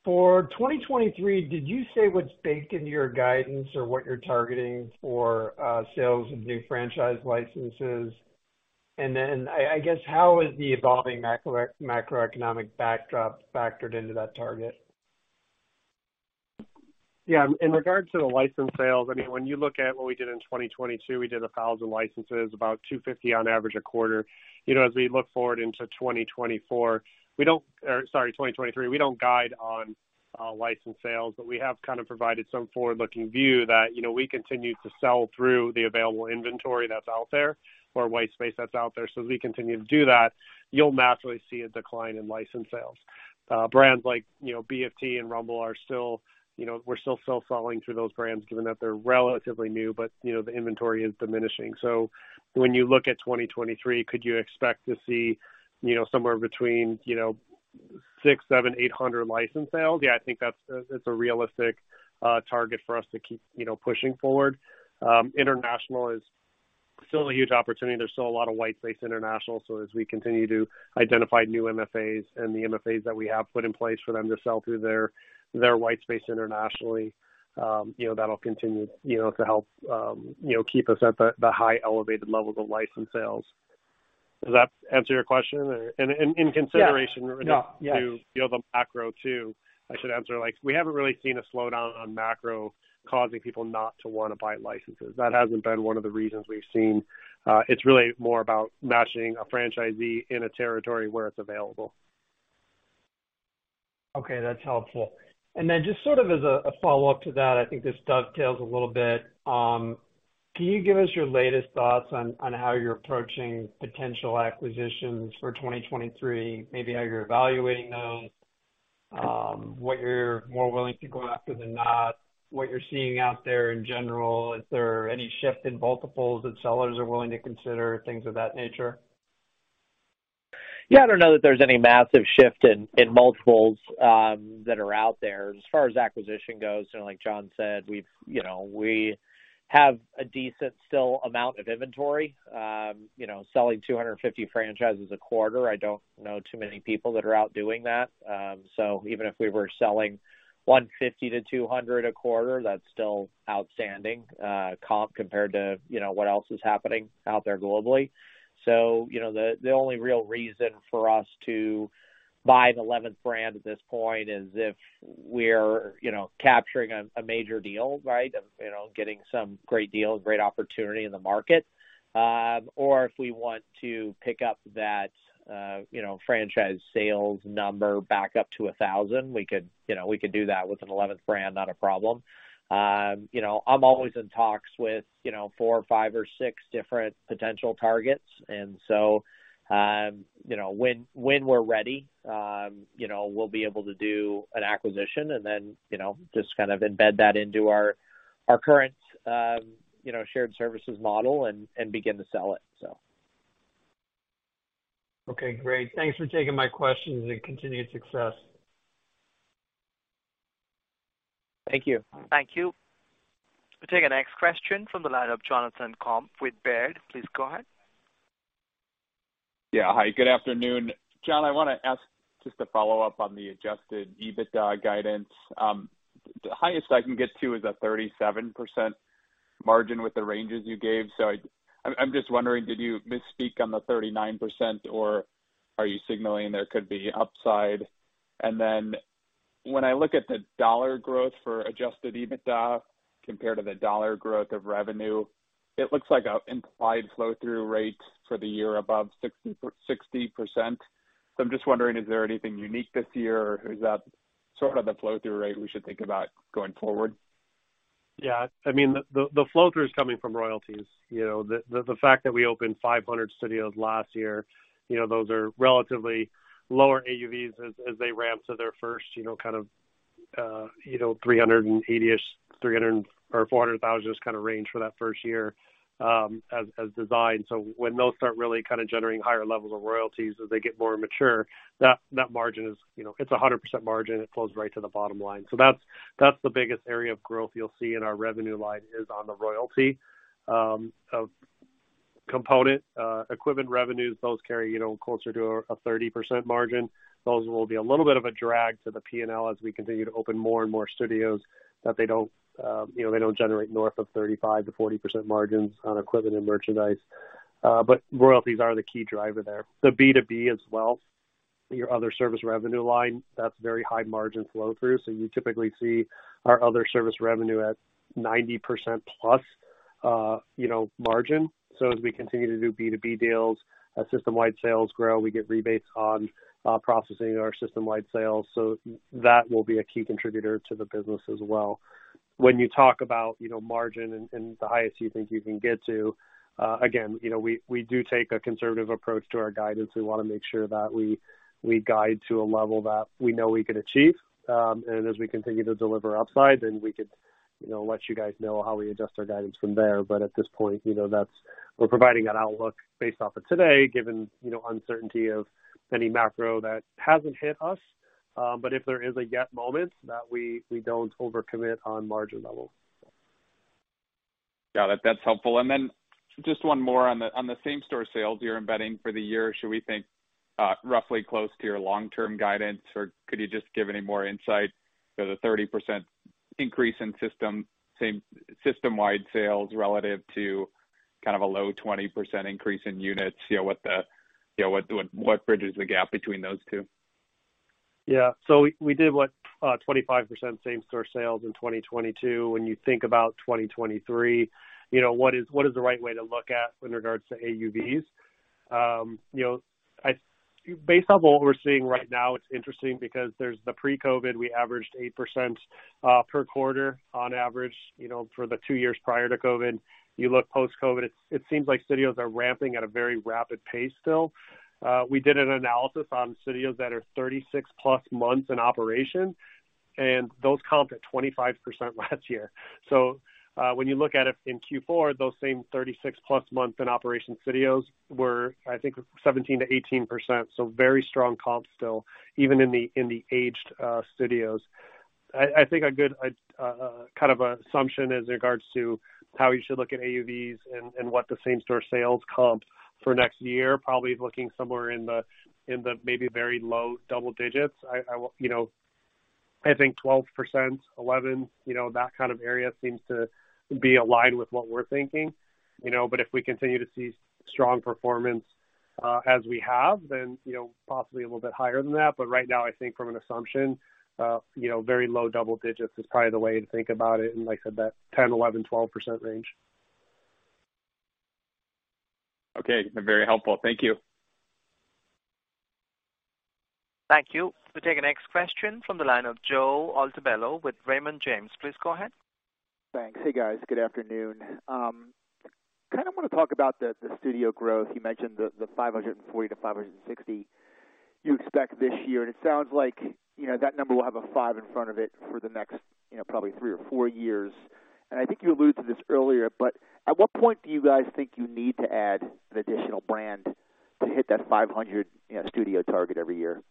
For 2023, did you say what's baked into your guidance or what you're targeting for sales of new franchise licenses? Then I guess, how is the evolving macro, macroeconomic backdrop factored into that target?
Yeah. In regard to the license sales, I mean, when you look at what we did in 2022, we did 1,000 licenses, about 250 on average a quarter. You know, as we look forward into 2024, we don't-- or, sorry, 2023, we don't guide on license sales, but we have kind of provided some forward-looking view that, you know, we continue to sell through the available inventory that's out there or white space that's out there. As we continue to do that, you'll naturally see a decline in license sales. Brands like, you know, BFT and Rumble are still, you know, we're still selling through those brands given that they're relatively new. But, you know, the inventory is diminishing. When you look at 2023, could you expect to see, you know, somewhere between, you know, 600-800 license sales? Yeah, I think it's a realistic target for us to keep, you know, pushing forward. International is still a huge opportunity. There's still a lot of white space international. As we continue to identify new MFAs and the MFAs that we have put in place for them to sell through their white space internationally, you know, that'll continue, you know, to help, you know, keep us at the high elevated levels of license sales. Does that answer your question?
Yeah.
in consideration-
Yeah.
-to the other macro too, I should answer, like we haven't really seen a slowdown on macro causing people not to wanna buy licenses. That hasn't been one of the reasons we've seen. It's really more about matching a franchisee in a territory where it's available.
Okay, that's helpful. Just sort of as a follow-up to that, I think this dovetails a little bit. Can you give us your latest thoughts on how you're approaching potential acquisitions for 2023, maybe how you're evaluating those, what you're more willing to go after than not, what you're seeing out there in general? Is there any shift in multiples that sellers are willing to consider, things of that nature?
I don't know that there's any massive shift in multiples that are out there. As far as acquisition goes, you know, like John said, we have a decent still amount of inventory. You know, selling 250 franchises a quarter, I don't know too many people that are out doing that. Even if we were selling 150-200 a quarter, that's still outstanding comp compared to, you know, what else is happening out there globally. You know, the only real reason for us to buy an 11th brand at this point is if we're, you know, capturing a major deal, right? You know, getting some great deals, great opportunity in the market. If we want to pick up that, you know, franchise sales number back up to 1,000, we could, you know, we could do that with an eleventh brand, not a problem. You know, I'm always in talks with, you know, four or five or six different potential targets. You know, when we're ready, you know, we'll be able to do an acquisition and then, you know, just kind of embed that into our current, you know, shared services model and begin to sell it, so.
Okay, great. Thanks for taking my questions and continued success.
Thank you.
Thank you. We'll take the next question from the line of Jonathan Komp with Baird. Please go ahead.
Yeah. Hi, good afternoon. John, I wanna ask just a follow-up on the adjusted EBITDA guidance. The highest I can get to is a 37% margin with the ranges you gave. I'm, I'm just wondering, did you misspeak on the 39% or are you signaling there could be upside? When I look at the dollar growth for adjusted EBITDA compared to the dollar growth of revenue, it looks like a implied flow-through rate for the year above 60%. I'm just wondering, is there anything unique this year or is that sort of the flow-through rate we should think about going forward?
Yeah. I mean, the flow-through is coming from royalties. You know, the fact that we opened 500 studios last year, you know, those are relatively lower AUVs as they ramp to their first, you know, kind of, you know, $380,000-ish, or $400,000 is kind of range for that first year, as designed. When those start really kind of generating higher levels of royalties as they get more mature, that margin is, you know, it's a 100% margin. It flows right to the bottom line. That's, that's the biggest area of growth you'll see in our revenue line is on the royalty component. Equivalent revenues, those carry, you know, closer to a 30% margin. Those will be a little bit of a drag to the P&L as we continue to open more and more studios that they don't, you know, they don't generate north of 35%-40% margins on equivalent and merchandise. Royalties are the key driver there. The B2B as well, your other service revenue line, that's very high margin flow through. You typically see our other service revenue at 90%+ margin. As we continue to do B2B deals, our system-wide sales grow. We get rebates on processing our system-wide sales. That will be a key contributor to the business as well. When you talk about, you know, margin and the highest you think you can get to, again, you know, we do take a conservative approach to our guidance. We wanna make sure that we guide to a level that we know we can achieve. As we continue to deliver upside, then we could, you know, let you guys know how we adjust our guidance from there. At this point, you know, that's. We're providing an outlook based off of today, given, you know, uncertainty of any macro that hasn't hit us. If there is a GAAP moment that we don't over-commit on margin level.
Yeah, that's helpful. Then just one more on the same-store sales you're embedding for the year. Should we think roughly close to your long-term guidance or could you just give any more insight? You know, the 30% increase in system-wide sales relative to kind of a low 20% increase in units. You know, what bridges the gap between those two?
Yeah. We did, what, 25% same-store sales in 2022. When you think about 2023, you know, what is the right way to look at in regards to AUVs? You know, based off of what we're seeing right now, it's interesting because there's the pre-COVID, we averaged 8% per quarter on average, you know, for the two years prior to COVID. You look post-COVID, it seems like studios are ramping at a very rapid pace still. We did an analysis on studios that are 36+ months in operation, and those comped at 25% last year. When you look at it in Q4, those same 36+ month in operation studios were, I think, 17%-18%. Very strong comps still, even in the aged studios. I think a good kind of assumption as in regards to how you should look at AUVs and what the same-store sales comp for next year, probably looking somewhere in the very low double digits. I you know, I think 12%, 11%, you know, that kind of area seems to be aligned with what we're thinking, you know. If we continue to see strong performance as we have, then, you know, possibly a little bit higher than that. Right now, I think from an assumption, you know, very low double digits is probably the way to think about it. Like I said, that 10%-12% range.
Okay. Very helpful. Thank you.
Thank you. We'll take the next question from the line of Joe Altobello with Raymond James. Please go ahead.
Thanks. Hey, guys. Good afternoon. kind of wanna talk about the studio growth. You mentioned the 540 to 560 you expect this year. It sounds like, you know, that number will have a five in front of it for the next, you know, probably three or four years. I think you alluded to this earlier, but at what point do you guys think you need to add an additional brand to hit that 500, you know, studio target every year?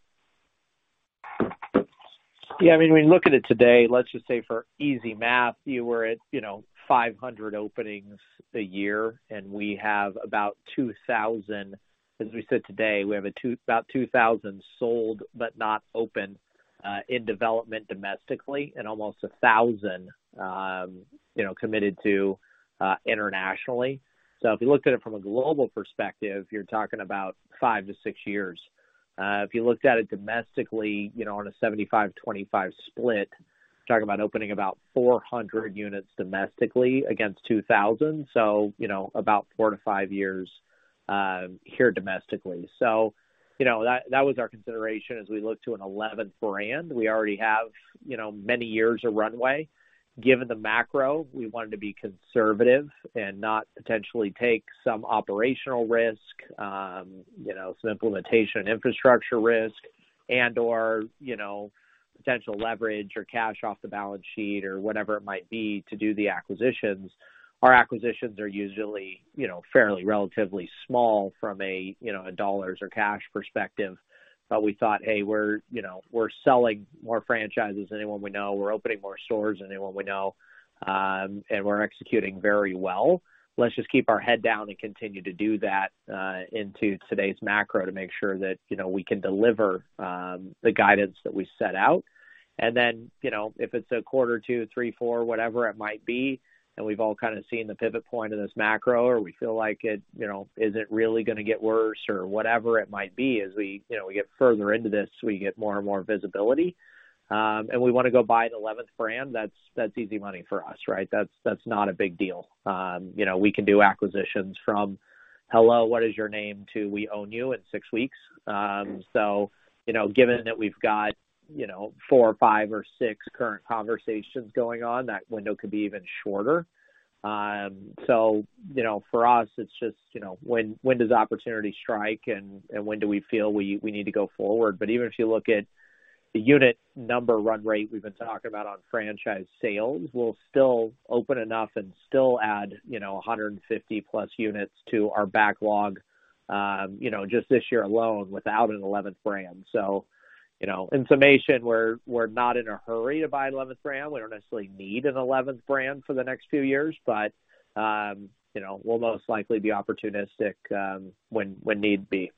Yeah, I mean, when you look at it today, let's just say for easy math, you were at, you know, 500 openings a year and we have about 2,000. As we said today, we have about 2,000 sold, but not open in development domestically and almost 1,000, you know, committed to internationally. If you looked at it from a global perspective, you're talking about five to six years. If you looked at it domestically, you know, on a 75, 25 split, you're talking about opening about 400 units domestically against 2,000, so, you know, about four to five years here domestically. You know, that was our consideration as we look to an 11th brand. We already have, you know, many years of runway. Given the macro, we wanted to be conservative and not potentially take some operational risk, you know, some implementation infrastructure risk, And or, you know, potential leverage or cash off the balance sheet or whatever it might be to do the acquisitions. Our acquisitions are usually, you know, fairly relatively small from a, you know, a dollars or cash perspective. We thought, "Hey, we're, you know, we're selling more franchises than anyone we know. We're opening more stores than anyone we know, and we're executing very well. Let's just keep our head down and continue to do that, into today's macro to make sure that, you know, we can deliver the guidance that we set out. You know, if it's a quarter 2, 3, 4, whatever it might be, and we've all kind of seen the pivot point in this macro, or we feel like it, you know, is it really gonna get worse or whatever it might be, as we, you know, we get further into this, we get more and more visibility, and we wanna go buy an 11th brand, that's easy money for us, right? That's, that's not a big deal. You know, we can do acquisitions from hello, what is your name, to we own you in six weeks. You know, given that we've got, you know, four or five or six current conversations going on, that window could be even shorter. You know, for us, it's just, you know, when does opportunity strike and when do we feel we need to go forward? But even if you look at the unit number run rate we've been talking about on franchise sales, we'll still open enough and still add, you know, 150+ units to our backlog, you know, just this year alone without an 11th brand. You know, in summation, we're not in a hurry to buy an 11th brand. We don't necessarily need an 11th brand for the next few years, but, you know, we'll most likely be opportunistic, when need be.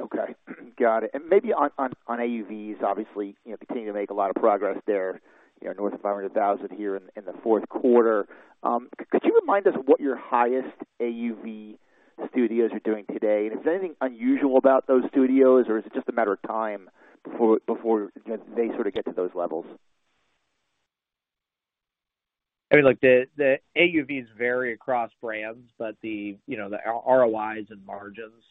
Okay. Got it. Maybe on AUVs, obviously, you know, continue to make a lot of progress there, you know, north of $500,000 here in the fourth quarter. Could you remind us what your highest AUV studios are doing today? Is there anything unusual about those studios or is it just a matter of time before they sort of get to those levels?
I mean, look, the AUVs vary across brands, but the, you know, the ROIs and margins,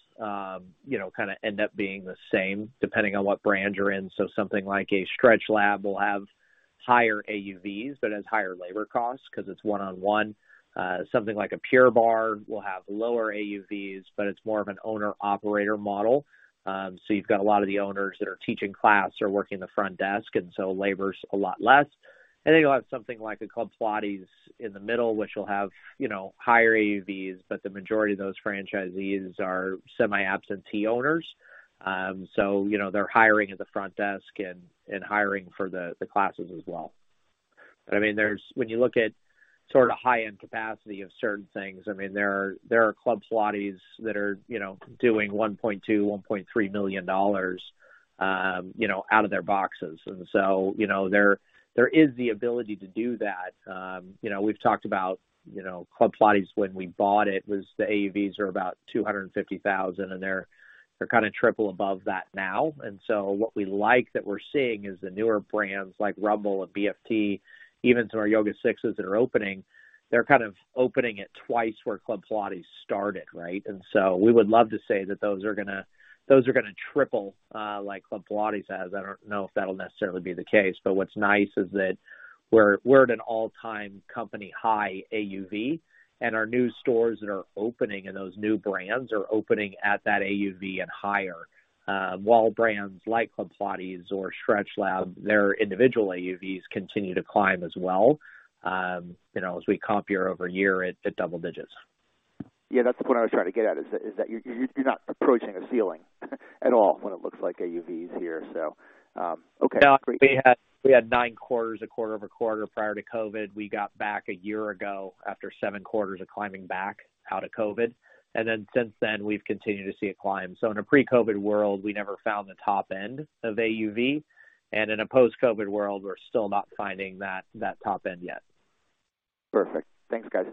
you know, kind of end up being the same depending on what brand you're in. Something like a StretchLab will have higher AUVs, but has higher labor costs 'cause it's one-on-one. Something like a Pure Barre will have lower AUVs, but it's more of an owner-operator model. You've got a lot of the owners that are teaching class or working the front desk, and so labor's a lot less. You'll have something like a Club Pilates in the middle, which will have, you know, higher AUVs, but the majority of those franchisees are semi-absentee owners. You know, they're hiring at the front desk and hiring for the classes as well. I mean, when you look at sort of high-end capacity of certain things, I mean, there are, there are Club Pilates that are, you know, doing $1.2 million-$1.3 million, you know, out of their boxes. You know, there is the ability to do that. You know, we've talked about, you know, Club Pilates when we bought it was the AUVs are about $250,000, and they're kind of triple above that now. What we like that we're seeing is the newer brands like Rumble and BFT, even some of our YogaSixes that are opening, they're kind of opening at twice where Club Pilates started, right? We would love to say that those are gonna, those are gonna triple like Club Pilates has. I don't know if that'll necessarily be the case. What's nice is that we're at an all-time company high AUV, and our new stores that are opening and those new brands are opening at that AUV and higher. While brands like Club Pilates or StretchLab, their individual AUVs continue to climb as well, you know, as we comp year-over-year at double digits.
Yeah, that's the point I was trying to get at, is that you're not approaching a ceiling at all when it looks like AUVs here. Okay.
We had nine quarters, a quarter-over-quarter prior to COVID. We got back a year ago after seven quarters of climbing back out of COVID. Since then, we've continued to see it climb. In a pre-COVID world, we never found the top end of AUV, and in a post-COVID world, we're still not finding that top end yet.
Perfect. Thanks, guys.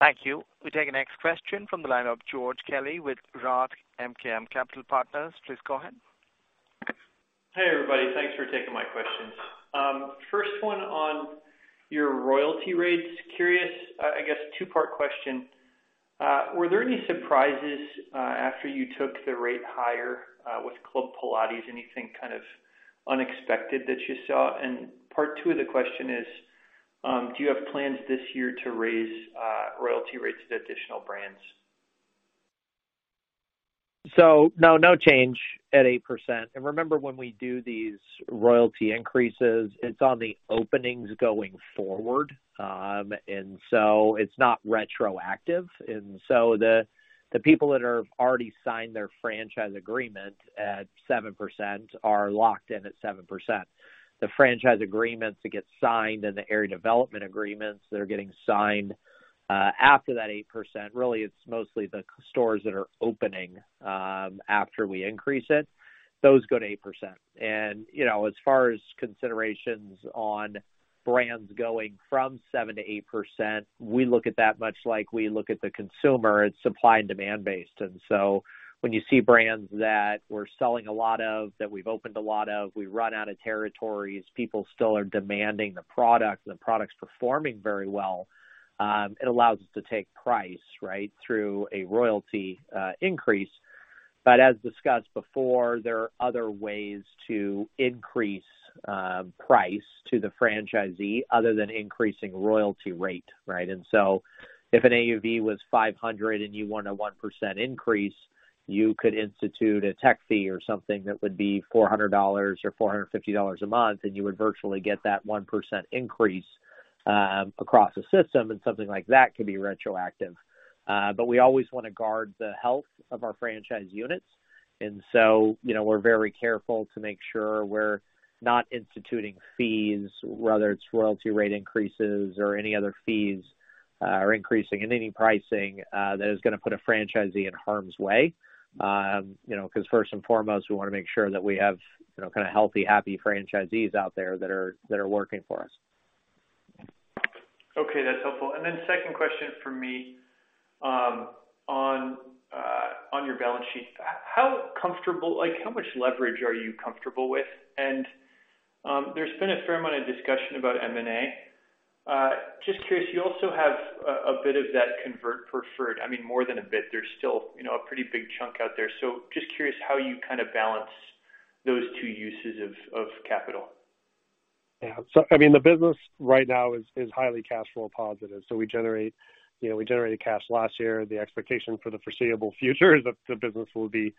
Thank you. We take the next question from the line of George Kelly with Roth MKM. Please go ahead.
Hey, everybody. Thanks for taking my questions. First one on your royalty rates. Curious, I guess two-part question. Were there any surprises after you took the rate higher with Club Pilates? Anything kind of unexpected that you saw? Part two of the question is, do you have plans this year to raise royalty rates to additional brands?
No, no change at 8%. Remember, when we do these royalty increases, it's on the openings going forward. It's not retroactive. The people that have already signed their franchise agreement at 7% are locked in at 7%. The franchise agreements that get signed and the area development agreements that are getting signed, after that 8%, really, it's mostly the stores that are opening, after we increase it. Those go to 8%. You know, as far as considerations on brands going from 7% to 8%, we look at that much like we look at the consumer, it's supply and demand based. When you see brands that we're selling a lot of, that we've opened a lot of, we run out of territories, people still are demanding the product, and the product's performing very well, it allows us to take price, right, through a royalty increase. As discussed before, there are other ways to increase price to the franchisee other than increasing royalty rate, right? If an AUV was 500 and you want a 1% increase. You could institute a tech fee or something that would be $400 or $450 a month, and you would virtually get that 1% increase across the system, and something like that could be retroactive. But we always wanna guard the health of our franchise units. You know, we're very careful to make sure we're not instituting fees, whether it's royalty rate increases or any other fees, are increasing in any pricing, that is gonna put a franchisee in harm's way. You know, 'cause first and foremost, we wanna make sure that we have, you know, kind of healthy, happy franchisees out there that are working for us.
Okay, that's helpful. Second question from me, on your balance sheet. Like, how much leverage are you comfortable with? There's been a fair amount of discussion about M&A. Just curious, you also have a bit of that convert preferred. I mean, more than a bit. There's still, you know, a pretty big chunk out there. Just curious how you kind of balance those two uses of capital.
I mean, the business right now is highly cash flow positive. You know, we generated cash last year. The expectation for the foreseeable future is that the business will be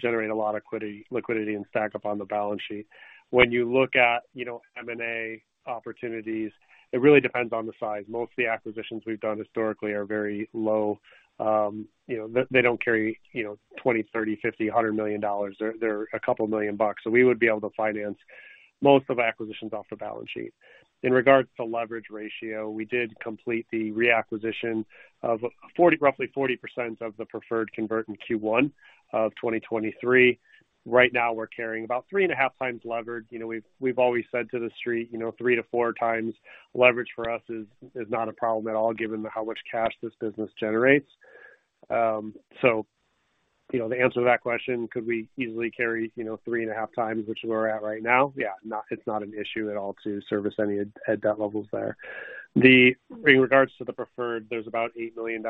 generate a lot of equity liquidity and stack up on the balance sheet. When you look at, you know, M&A opportunities, it really depends on the size. Most of the acquisitions we've done historically are very low. You know, they don't carry, you know, $20 million, $30 million, $50 million, $100 million. They're a couple million bucks. We would be able to finance most of acquisitions off the balance sheet. In regards to leverage ratio, we did complete the reacquisition of roughly 40% of the preferred convert in Q1 of 2023. Right now, we're carrying about 3.5x leverage. You know, we've always said to The Street, you know, 3 to 4 times leverage for us is not a problem at all given how much cash this business generates. You know, to answer that question, could we easily carry, you know, 3.5 times, which we're at right now? Yeah. It's not an issue at all to service any ad debt levels there. In regards to the preferred, there's about 8 million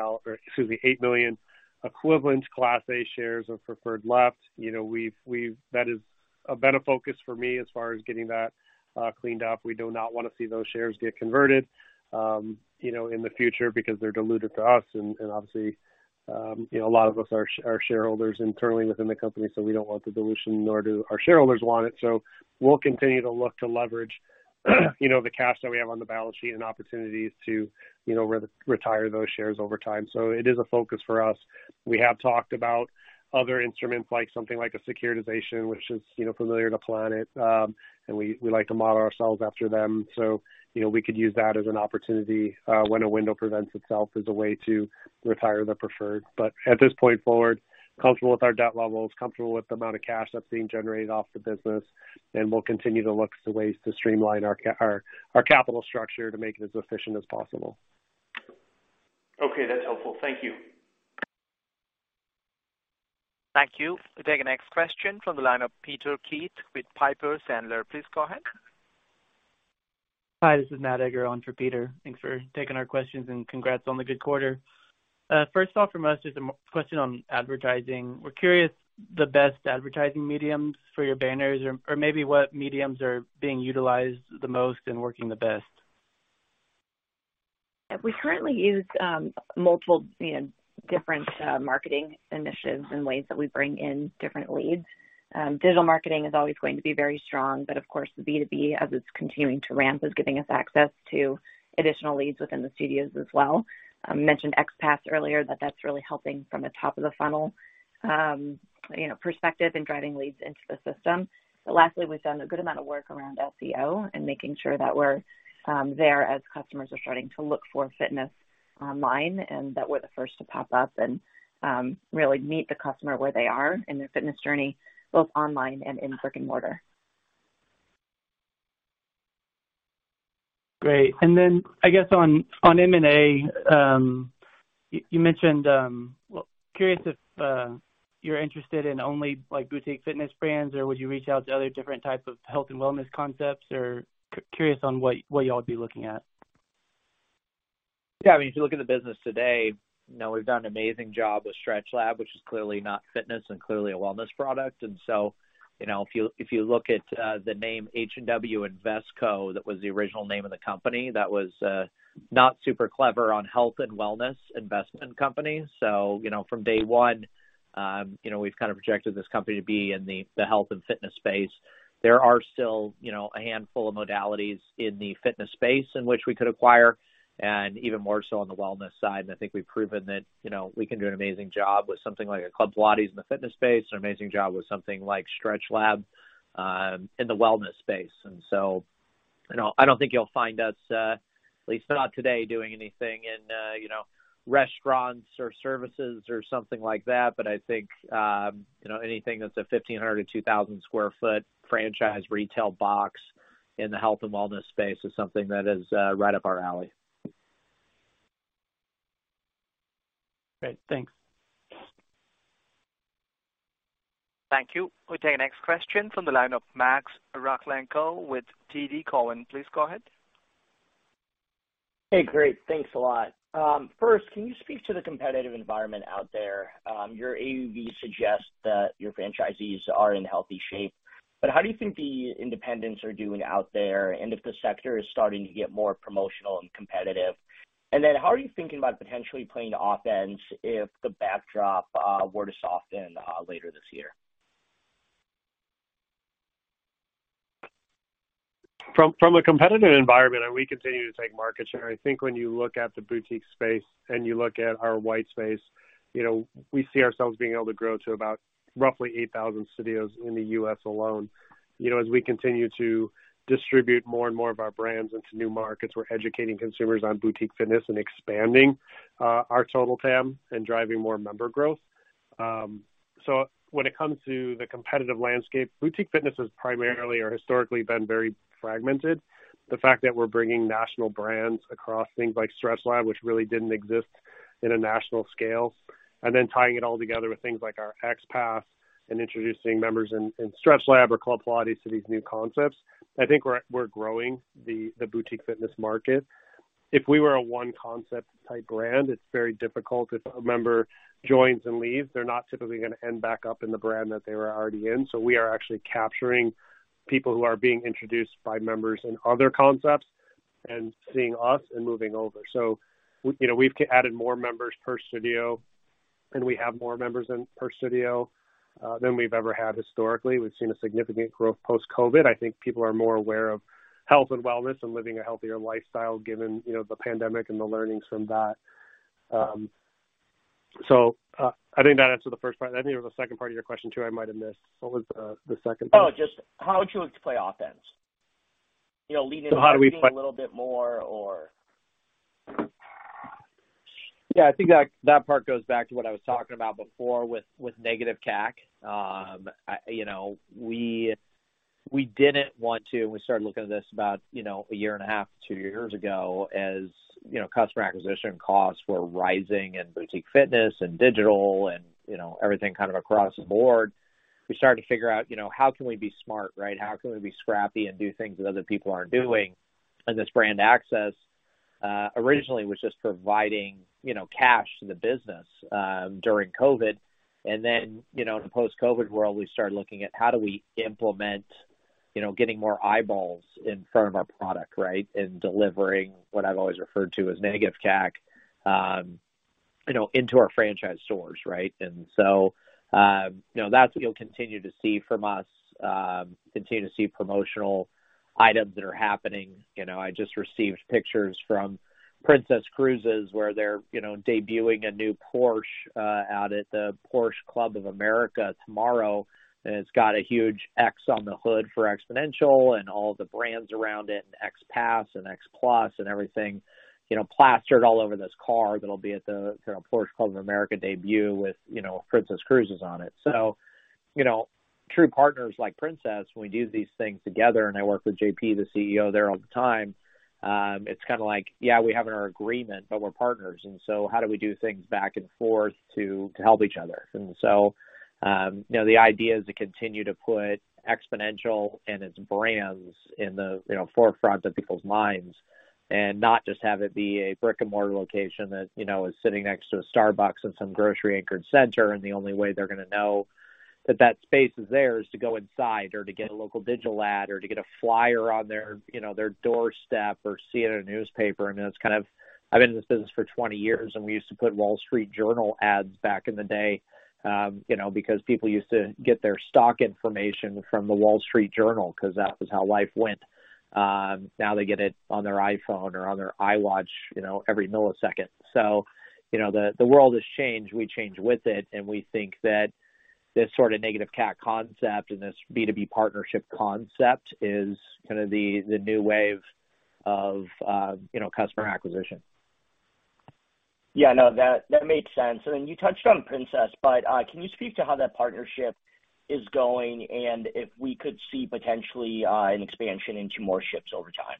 equivalent Class A shares of preferred left. You know, we've, that is a better focus for me as far as getting that cleaned up. We do not wanna see those shares get converted, you know, in the future because they're diluted to us and obviously, you know, a lot of us are shareholders internally within the company, so we don't want the dilution, nor do our shareholders want it. We'll continue to look to leverage, you know, the cash that we have on the balance sheet and opportunities to, you know, retire those shares over time. It is a focus for us. We have talked about other instruments like something like a securitization, which is, you know, familiar to Planet. And we like to model ourselves after them. You know, we could use that as an opportunity when a window presents itself as a way to retire the preferred. At this point forward, comfortable with our debt levels, comfortable with the amount of cash that's being generated off the business, and we'll continue to look for ways to streamline our capital structure to make it as efficient as possible.
Okay, that's helpful. Thank you.
Thank you. We'll take the next question from the line of Peter Keith with Piper Sandler. Please go ahead.
Hi, this is Matt Edgar on for Peter. Thanks for taking our questions, and congrats on the good quarter. First off, for most, it's a question on advertising. We're curious the best advertising mediums for your banners or maybe what mediums are being utilized the most and working the best?
We currently use, multiple, you know, different, marketing initiatives and ways that we bring in different leads. Digital marketing is always going to be very strong, but of course, the B2B, as it's continuing to ramp, is giving us access to additional leads within the studios as well. Mentioned XPASS earlier, that that's really helping from a top of the funnel, you know, perspective and driving leads into the system. Lastly, we've done a good amount of work around SEO and making sure that we're, there as customers are starting to look for fitness online and that we're the first to pop up and, really meet the customer where they are in their fitness journey, both online and in brick and mortar.
Great. I guess on M&A, you mentioned, well, curious if you're interested in only, like, boutique fitness brands or would you reach out to other different types of health and wellness concepts? Curious on what y'all would be looking at?
Yeah. I mean, if you look at the business today, you know, we've done an amazing job with StretchLab, which is clearly not fitness and clearly a wellness product. If you know, if you look at the name H&W Investco, that was the original name of the company, that was not super clever on health and wellness investment company. You know, from day one, you know, we've kind of projected this company to be in the health and fitness space. There are still, you know, a handful of modalities in the fitness space in which we could acquire, and even more so on the wellness side. I think we've proven that, you know, we can do an amazing job with something like a Club Pilates in the fitness space, or amazing job with something like StretchLab in the wellness space. You know, I don't think you'll find us, at least not today, doing anything in, you know, restaurants or services or something like that. I think, you know, anything that's a 1,500-2,000 sq ft franchise retail box in the health and wellness space is something that is, right up our alley.
Great. Thanks.
Thank you. We'll take our next question from the line of Max Rakhlenko with TD Cowen. Please go ahead.
Hey, great. Thanks a lot. First, can you speak to the competitive environment out there? Your AUV suggests that your franchisees are in healthy shape How do you think the independents are doing out there? If the sector is starting to get more promotional and competitive? How are you thinking about potentially playing offense if the backdrop were to soften later this year?
From a competitive environment, and we continue to take market share. I think when you look at the boutique space and you look at our white space, you know, we see ourselves being able to grow to about roughly 8,000 studios in the U.S. alone. You know, as we continue to distribute more and more of our brands into new markets, we're educating consumers on boutique fitness and expanding our total TAM and driving more member growth. When it comes to the competitive landscape, boutique fitness has primarily or historically been very fragmented. The fact that we're bringing national brands across things like StretchLab, which really didn't exist in a national scale, and then tying it all together with things like our XPASS and introducing members in StretchLab or Club Pilates to these new concepts, I think we're growing the boutique fitness market. If we were a one concept type brand, it's very difficult. If a member joins and leaves, they're not typically gonna end back up in the brand that they were already in. We are actually capturing people who are being introduced by members in other concepts and seeing us and moving over. You know, we've added more members per studio, and we have more members per studio than we've ever had historically. We've seen a significant growth post-COVID. I think people are more aware of health and wellness and living a healthier lifestyle given, you know, the pandemic and the learnings from that. I think that answered the first part. I think there was a second part of your question, too, I might have missed. What was the second part?
Just how would you look to play offense? You know.
How do we?
a little bit more or...
Yeah, I think that part goes back to what I was talking about before with negative CAC. You know, we didn't want to, and we started looking at this about, you know, a year and a half, two years ago, as, you know, customer acquisition costs were rising in boutique fitness and digital and, you know, everything kind of across the board. We started to figure out, you know, how can we be smart, right? How can we be scrappy and do things that other people aren't doing? This brand access originally was just providing, you know, cash to the business during COVID. Then, you know, in a post-COVID world, we started looking at how do we implement, you know, getting more eyeballs in front of our product, right, and delivering what I've always referred to as negative CAC, you know, into our franchise stores, right. So, you know, that's what you'll continue to see from us, continue to see promotional items that are happening. You know, I just received pictures from Princess Cruises where they're, you know, debuting a new Porsche out at the Porsche Club of America tomorrow. It's got a huge X on the hood for Xponential and all the brands around it and XPASS and XPLUS and everything, you know, plastered all over this car that'll be at the, you know, Porsche Club of America debut with, you know, Princess Cruises on it. You know, true partners like Princess, when we do these things together, and I work with JP, the CEO there, all the time, it's kinda like, yeah, we have in our agreement, but we're partners, and so how do we do things back and forth to help each other? You know, the idea is to continue to put Xponential and its brands in the, you know, forefront of people's minds and not just have it be a brick-and-mortar location that, you know, is sitting next to a Starbucks in some grocery anchored center, and the only way they're gonna know that that space is there is to go inside or to get a local digital ad or to get a flyer on their, you know, their doorstep or see it in a newspaper. I mean, it's I've been in this business for 20 years. We used to put The Wall Street Journal ads back in the day, you know, because people used to get their stock information from The Wall Street Journal 'cause that was how life went. Now they get it on their iPhone or on their Apple Watch, you know, every millisecond. You know, the world has changed. We change with it. We think that this sort of negative CAC concept and this B2B partnership concept is kind of the new wave of, you know, customer acquisition.
Yeah, no, that makes sense. You touched on Princess, but can you speak to how that partnership is going and if we could see potentially an expansion into more ships over time?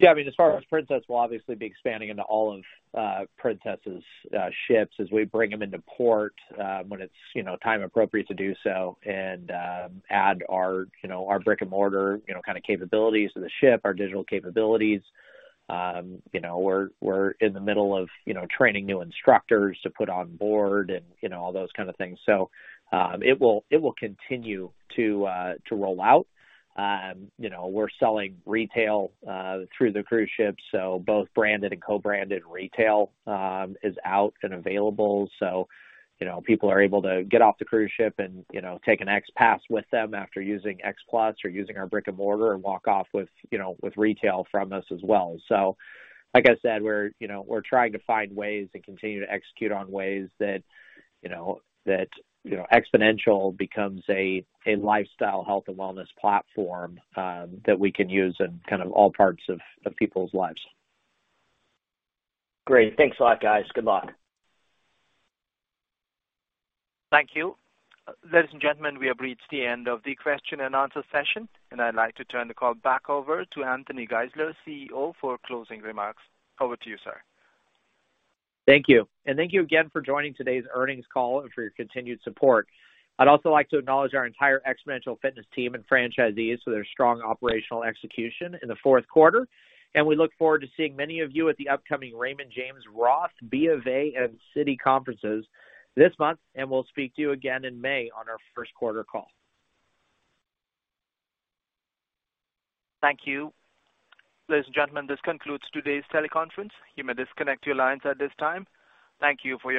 Yeah. I mean, as far as Princess, we'll obviously be expanding into all of Princess's ships as we bring them into port, when it's, you know, time appropriate to do so and add our, you know, our brick-and-mortar, you know, kind of capabilities to the ship, our digital capabilities. You know, we're in the middle of, you know, training new instructors to put on board and, you know, all those kind of things. It will continue to roll out. You know, we're selling retail through the cruise ship, so both branded and co-branded retail is out and available. You know, people are able to get off the cruise ship and, you know, take an XPASS with them after using XPLUS or using our brick-and-mortar and walk off with, you know, with retail from us as well. Like I said, we're, you know, we're trying to find ways and continue to execute on ways that, you know, that, you know, Xponential becomes a lifestyle health and wellness platform that we can use in kind of all parts of people's lives.
Great. Thanks a lot, guys. Good luck.
Thank you. Ladies and gentlemen, we have reached the end of the question and answer session, I'd like to turn the call back over to Anthony Geisler, CEO, for closing remarks. Over to you, sir.
Thank you. Thank you again for joining today's earnings call and for your continued support. I'd also like to acknowledge our entire Xponential Fitness team and franchisees for their strong operational execution in the fourth quarter. We look forward to seeing many of you at the upcoming Raymond James, Roth, BofA, and Citi conferences this month, and we'll speak to you again in May on our first quarter call.
Thank you. Ladies and gentlemen, this concludes today's teleconference. You may disconnect your lines at this time. Thank you for your participation.